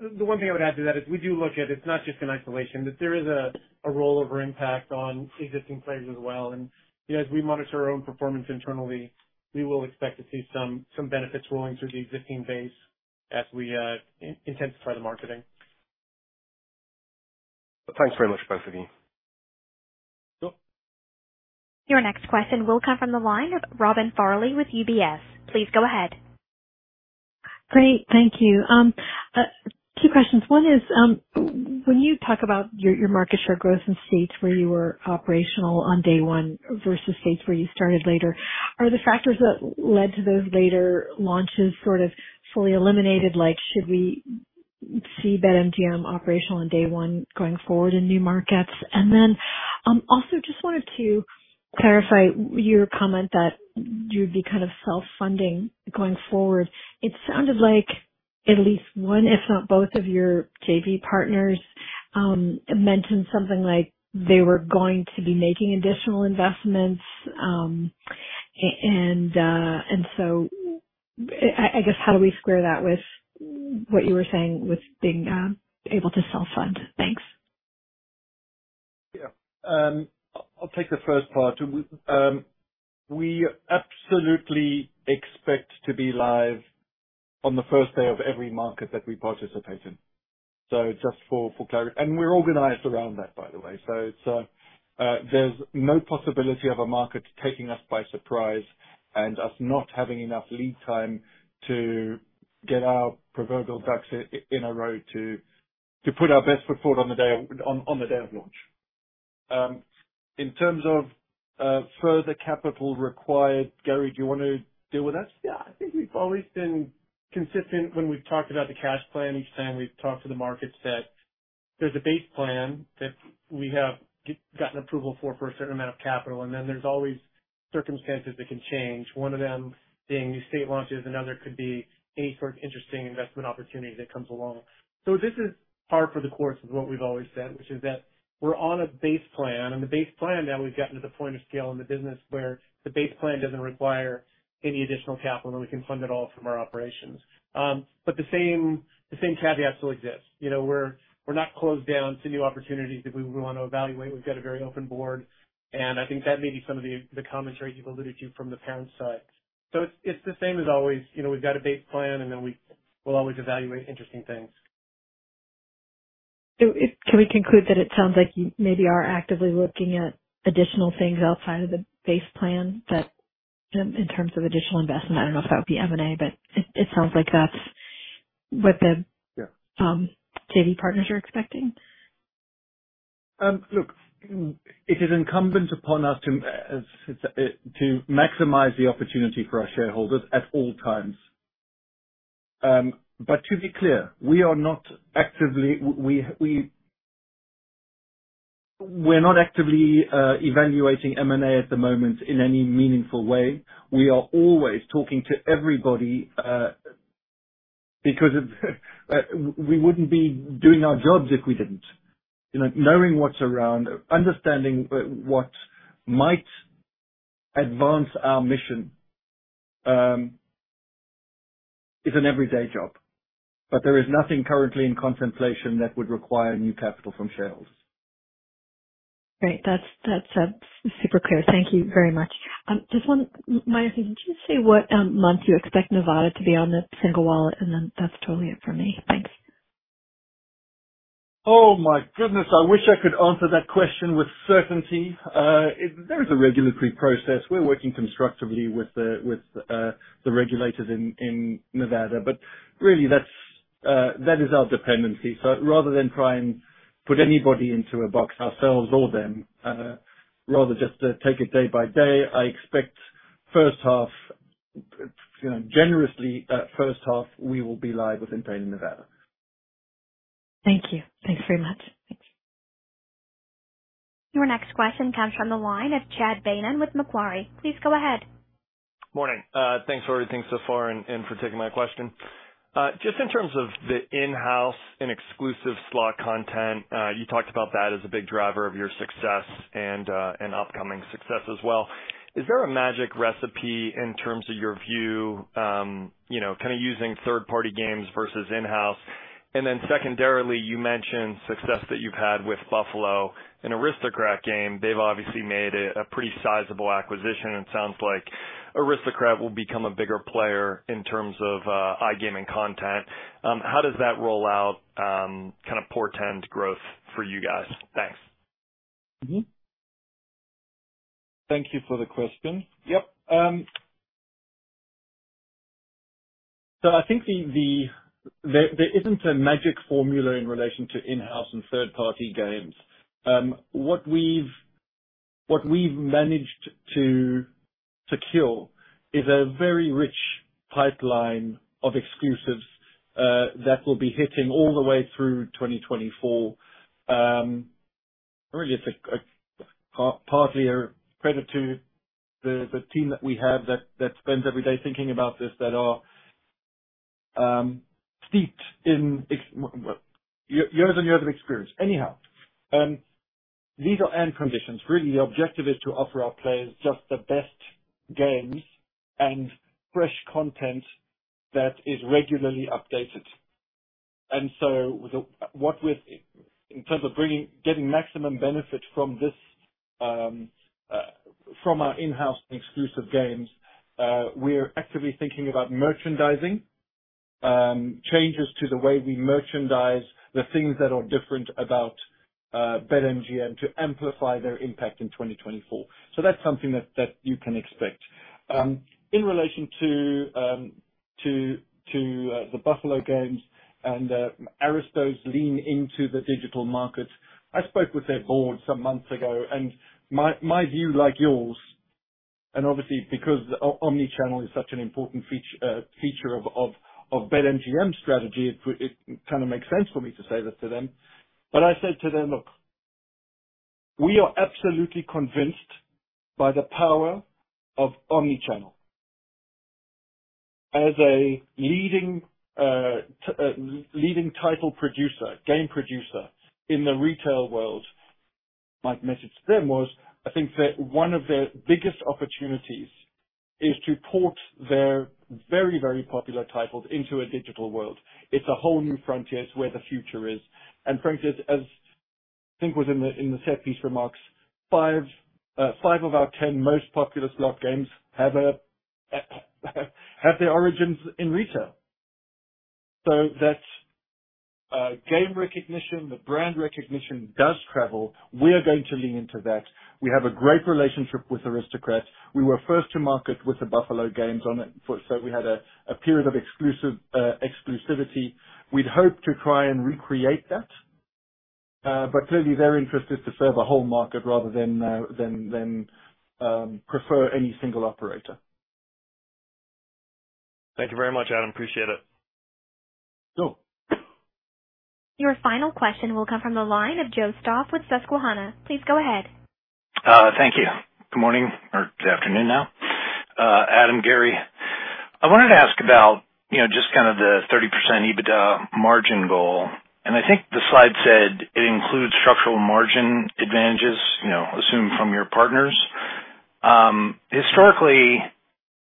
The one thing I would add to that is we do look at it (it's not just in isolation) that there is a rollover impact on existing players as well. And as we monitor our own performance internally, we will expect to see some benefits rolling through the existing base as we intensify the marketing. Thanks very much, both of you. Yep. Your next question will come from the line of Robin Farley with UBS. Please go ahead. Great. Thank you. Two questions. One is, when you talk about your market share growth in states where you were operational on day one versus states where you started later, are the factors that led to those later launches sort of fully eliminated? Should we see BetMGM operational on day one going forward in new markets? And then also, just wanted to clarify your comment that you'd be kind of self-funding going forward. It sounded like at least one, if not both, of your JV partners mentioned something like they were going to be making additional investments. And so I guess, how do we square that with what you were saying with being able to self-fund? Thanks. Yeah. I'll take the first part. We absolutely expect to be live on the first day of every market that we participate in. So just for clarity, and we're organized around that, by the way. So there's no possibility of a market taking us by surprise and us not having enough lead time to get our proverbial ducks in a row to put our best foot forward on the day of launch. In terms of further capital required, Gary, do you want to deal with that? Yeah. I think we've always been consistent when we've talked about the cash plan. Each time we've talked to the markets, there's a base plan that we have gotten approval for a certain amount of capital, and then there's always circumstances that can change. One of them being new state launches, another could be any sort of interesting investment opportunity that comes along. So this is par for the course of what we've always said, which is that we're on a base plan, and the base plan now we've gotten to the point of scale in the business where the base plan doesn't require any additional capital, and we can fund it all from our operations. But the same caveat still exists. We're not closed down to new opportunities that we want to evaluate. We've got a very open board, and I think that may be some of the commentary you've alluded to from the parent side. So it's the same as always. We've got a base plan, and then we'll always evaluate interesting things. Can we conclude that it sounds like you maybe are actively looking at additional things outside of the base plan in terms of additional investment? I don't know if that would be M&A, but it sounds like that's what the JV partners are expecting. Look, it is incumbent upon us to maximize the opportunity for our shareholders at all times. But to be clear, we are not actively - we're not actively evaluating M&A at the moment in any meaningful way. We are always talking to everybody because we wouldn't be doing our jobs if we didn't. Knowing what's around, understanding what might advance our mission is an everyday job. But there is nothing currently in contemplation that would require new capital from shareholders. Great. That's super clear. Thank you very much. Just one minor thing. Could you say what month you expect Nevada to be on the single wallet? And then that's totally it for me. Thanks. Oh my goodness. I wish I could answer that question with certainty. There is a regulatory process. We're working constructively with the regulators in Nevada. But really, that is our dependency. So rather than try and put anybody into a box ourselves or them, rather just take it day by day, I expect generously, first half, we will be live with Entain in Nevada. Thank you. Thanks very much. Thanks. Your next question comes from the line of Chad Beynon with Macquarie. Please go ahead. Morning. Thanks for everything so far and for taking my question. Just in terms of the in-house and exclusive slot content, you talked about that as a big driver of your success and upcoming success as well. Is there a magic recipe in terms of your view, kind of using third-party games versus in-house? And then secondarily, you mentioned success that you've had with Buffalo, an Aristocrat game. They've obviously made a pretty sizable acquisition. It sounds like Aristocrat will become a bigger player in terms of iGaming content. How does that roll out kind of portend growth for you guys? Thanks. Thank you for the question. Yep. So I think there isn't a magic formula in relation to in-house and third-party games. What we've managed to secure is a very rich pipeline of exclusives that will be hitting all the way through 2024. Really, it's partly a credit to the team that we have that spends every day thinking about this, that are steeped in years and years of experience. Anyhow, these are end conditions. Really, the objective is to offer our players just the best games and fresh content that is regularly updated, and so in terms of getting maximum benefit from our in-house exclusive games, we're actively thinking about merchandising, changes to the way we merchandise the things that are different about BetMGM to amplify their impact in 2024. So that's something that you can expect. In relation to the Buffalo games and Aristocrat's lean into the digital markets, I spoke with their board some months ago, and my view, like yours, and obviously because omnichannel is such an important feature of BetMGM's strategy, it kind of makes sense for me to say this to them. But I said to them, "Look, we are absolutely convinced by the power of omnichannel." As a leading title producer, game producer in the retail world, my message to them was, "I think that one of their biggest opportunities is to port their very, very popular titles into a digital world. It's a whole new frontier. It's where the future is." And frankly, as I think was in the set piece remarks, five of our 10 most popular slot games have their origins in retail. So that game recognition, the brand recognition does travel. We are going to lean into that. We have a great relationship with Aristocrat. We were first to market with the Buffalo games on it, so we had a period of exclusivity. We'd hope to try and recreate that. But clearly, their interest is to serve a whole market rather than prefer any single operator. Thank you very much, Adam. Appreciate it. Sure. Your final question will come from the line of Joseph Stauff with Susquehanna. Please go ahead. Thank you. Good morning or good afternoon now. Adam, Gary, I wanted to ask about just kind of the 30% EBITDA margin goal, and I think the slide said it includes structural margin advantages assumed from your partners. Historically,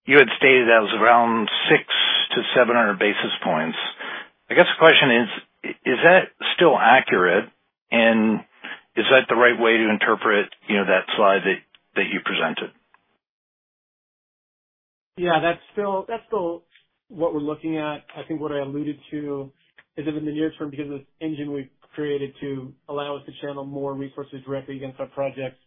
you had stated that was around 6-700 basis points. I guess the question is, is that still accurate, and is that the right way to interpret that slide that you presented? Yeah. That's still what we're looking at. I think what I alluded to is that in the near term, because of this engine we've created to allow us to channel more resources directly against our projects,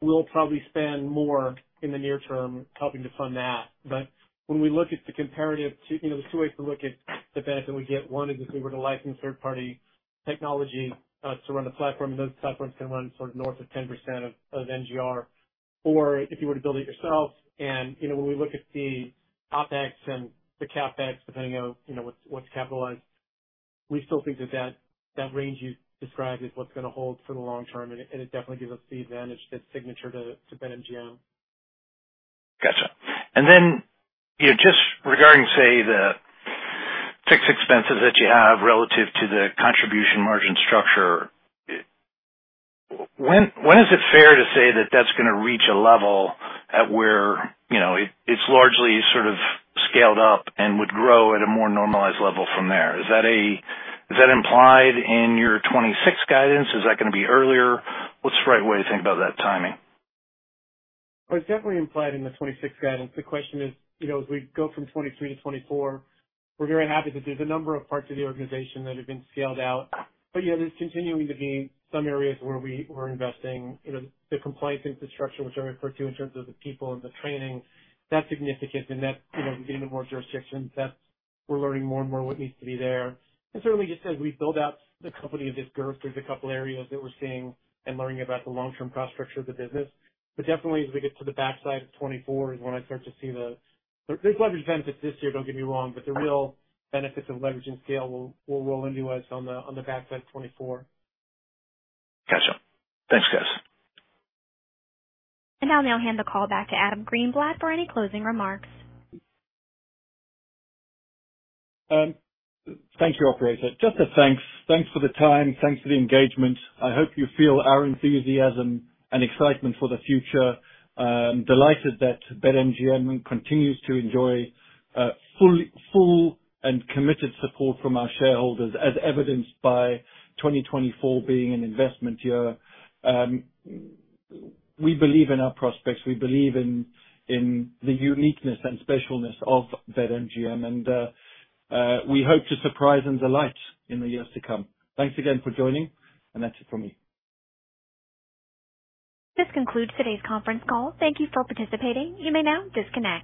we'll probably spend more in the near term helping to fund that. But when we look at the comparative, there's two ways to look at the benefit we get. One is if we were to license third-party technology to run the platform, and those platforms can run sort of north of 10% of NGR. Or if you were to build it yourself. And when we look at the OpEx and the CapEx, depending on what's capitalized, we still think that that range you described is what's going to hold for the long term, and it definitely gives us the advantage, the signature to BetMGM. Gotcha. And then just regarding, say, the fixed expenses that you have relative to the contribution margin structure, when is it fair to say that that's going to reach a level at where it's largely sort of scaled up and would grow at a more normalized level from there? Is that implied in your 2026 guidance? Is that going to be earlier? What's the right way to think about that timing? It's definitely implied in the 2026 guidance. The question is, as we go from 2023 to 2024, we're very happy that there's a number of parts of the organization that have been scaled out. But there's continuing to be some areas where we're investing. The compliance infrastructure, which I referred to in terms of the people and the training, that's significant, and we're getting to more jurisdictions. We're learning more and more what needs to be there. And certainly, just as we build out the company of this growth, there's a couple of areas that we're seeing and learning about the long-term cost structure of the business. But definitely, as we get to the backside of 2024 is when I start to see the, there's leverage benefits this year, don't get me wrong, but the real benefits of leveraging scale will roll into us on the backside of 2024. Gotcha. Thanks, guys. Now I'll hand the call back to Adam Greenblatt for any closing remarks. Thank you, operator. Just a thanks. Thanks for the time. Thanks for the engagement. I hope you feel our enthusiasm and excitement for the future. Delighted that BetMGM continues to enjoy full and committed support from our shareholders, as evidenced by 2024 being an investment year. We believe in our prospects. We believe in the uniqueness and specialness of BetMGM, and we hope to surprise and delight in the years to come. Thanks again for joining, and that's it from me. This concludes today's conference call. Thank you for participating. You may now disconnect.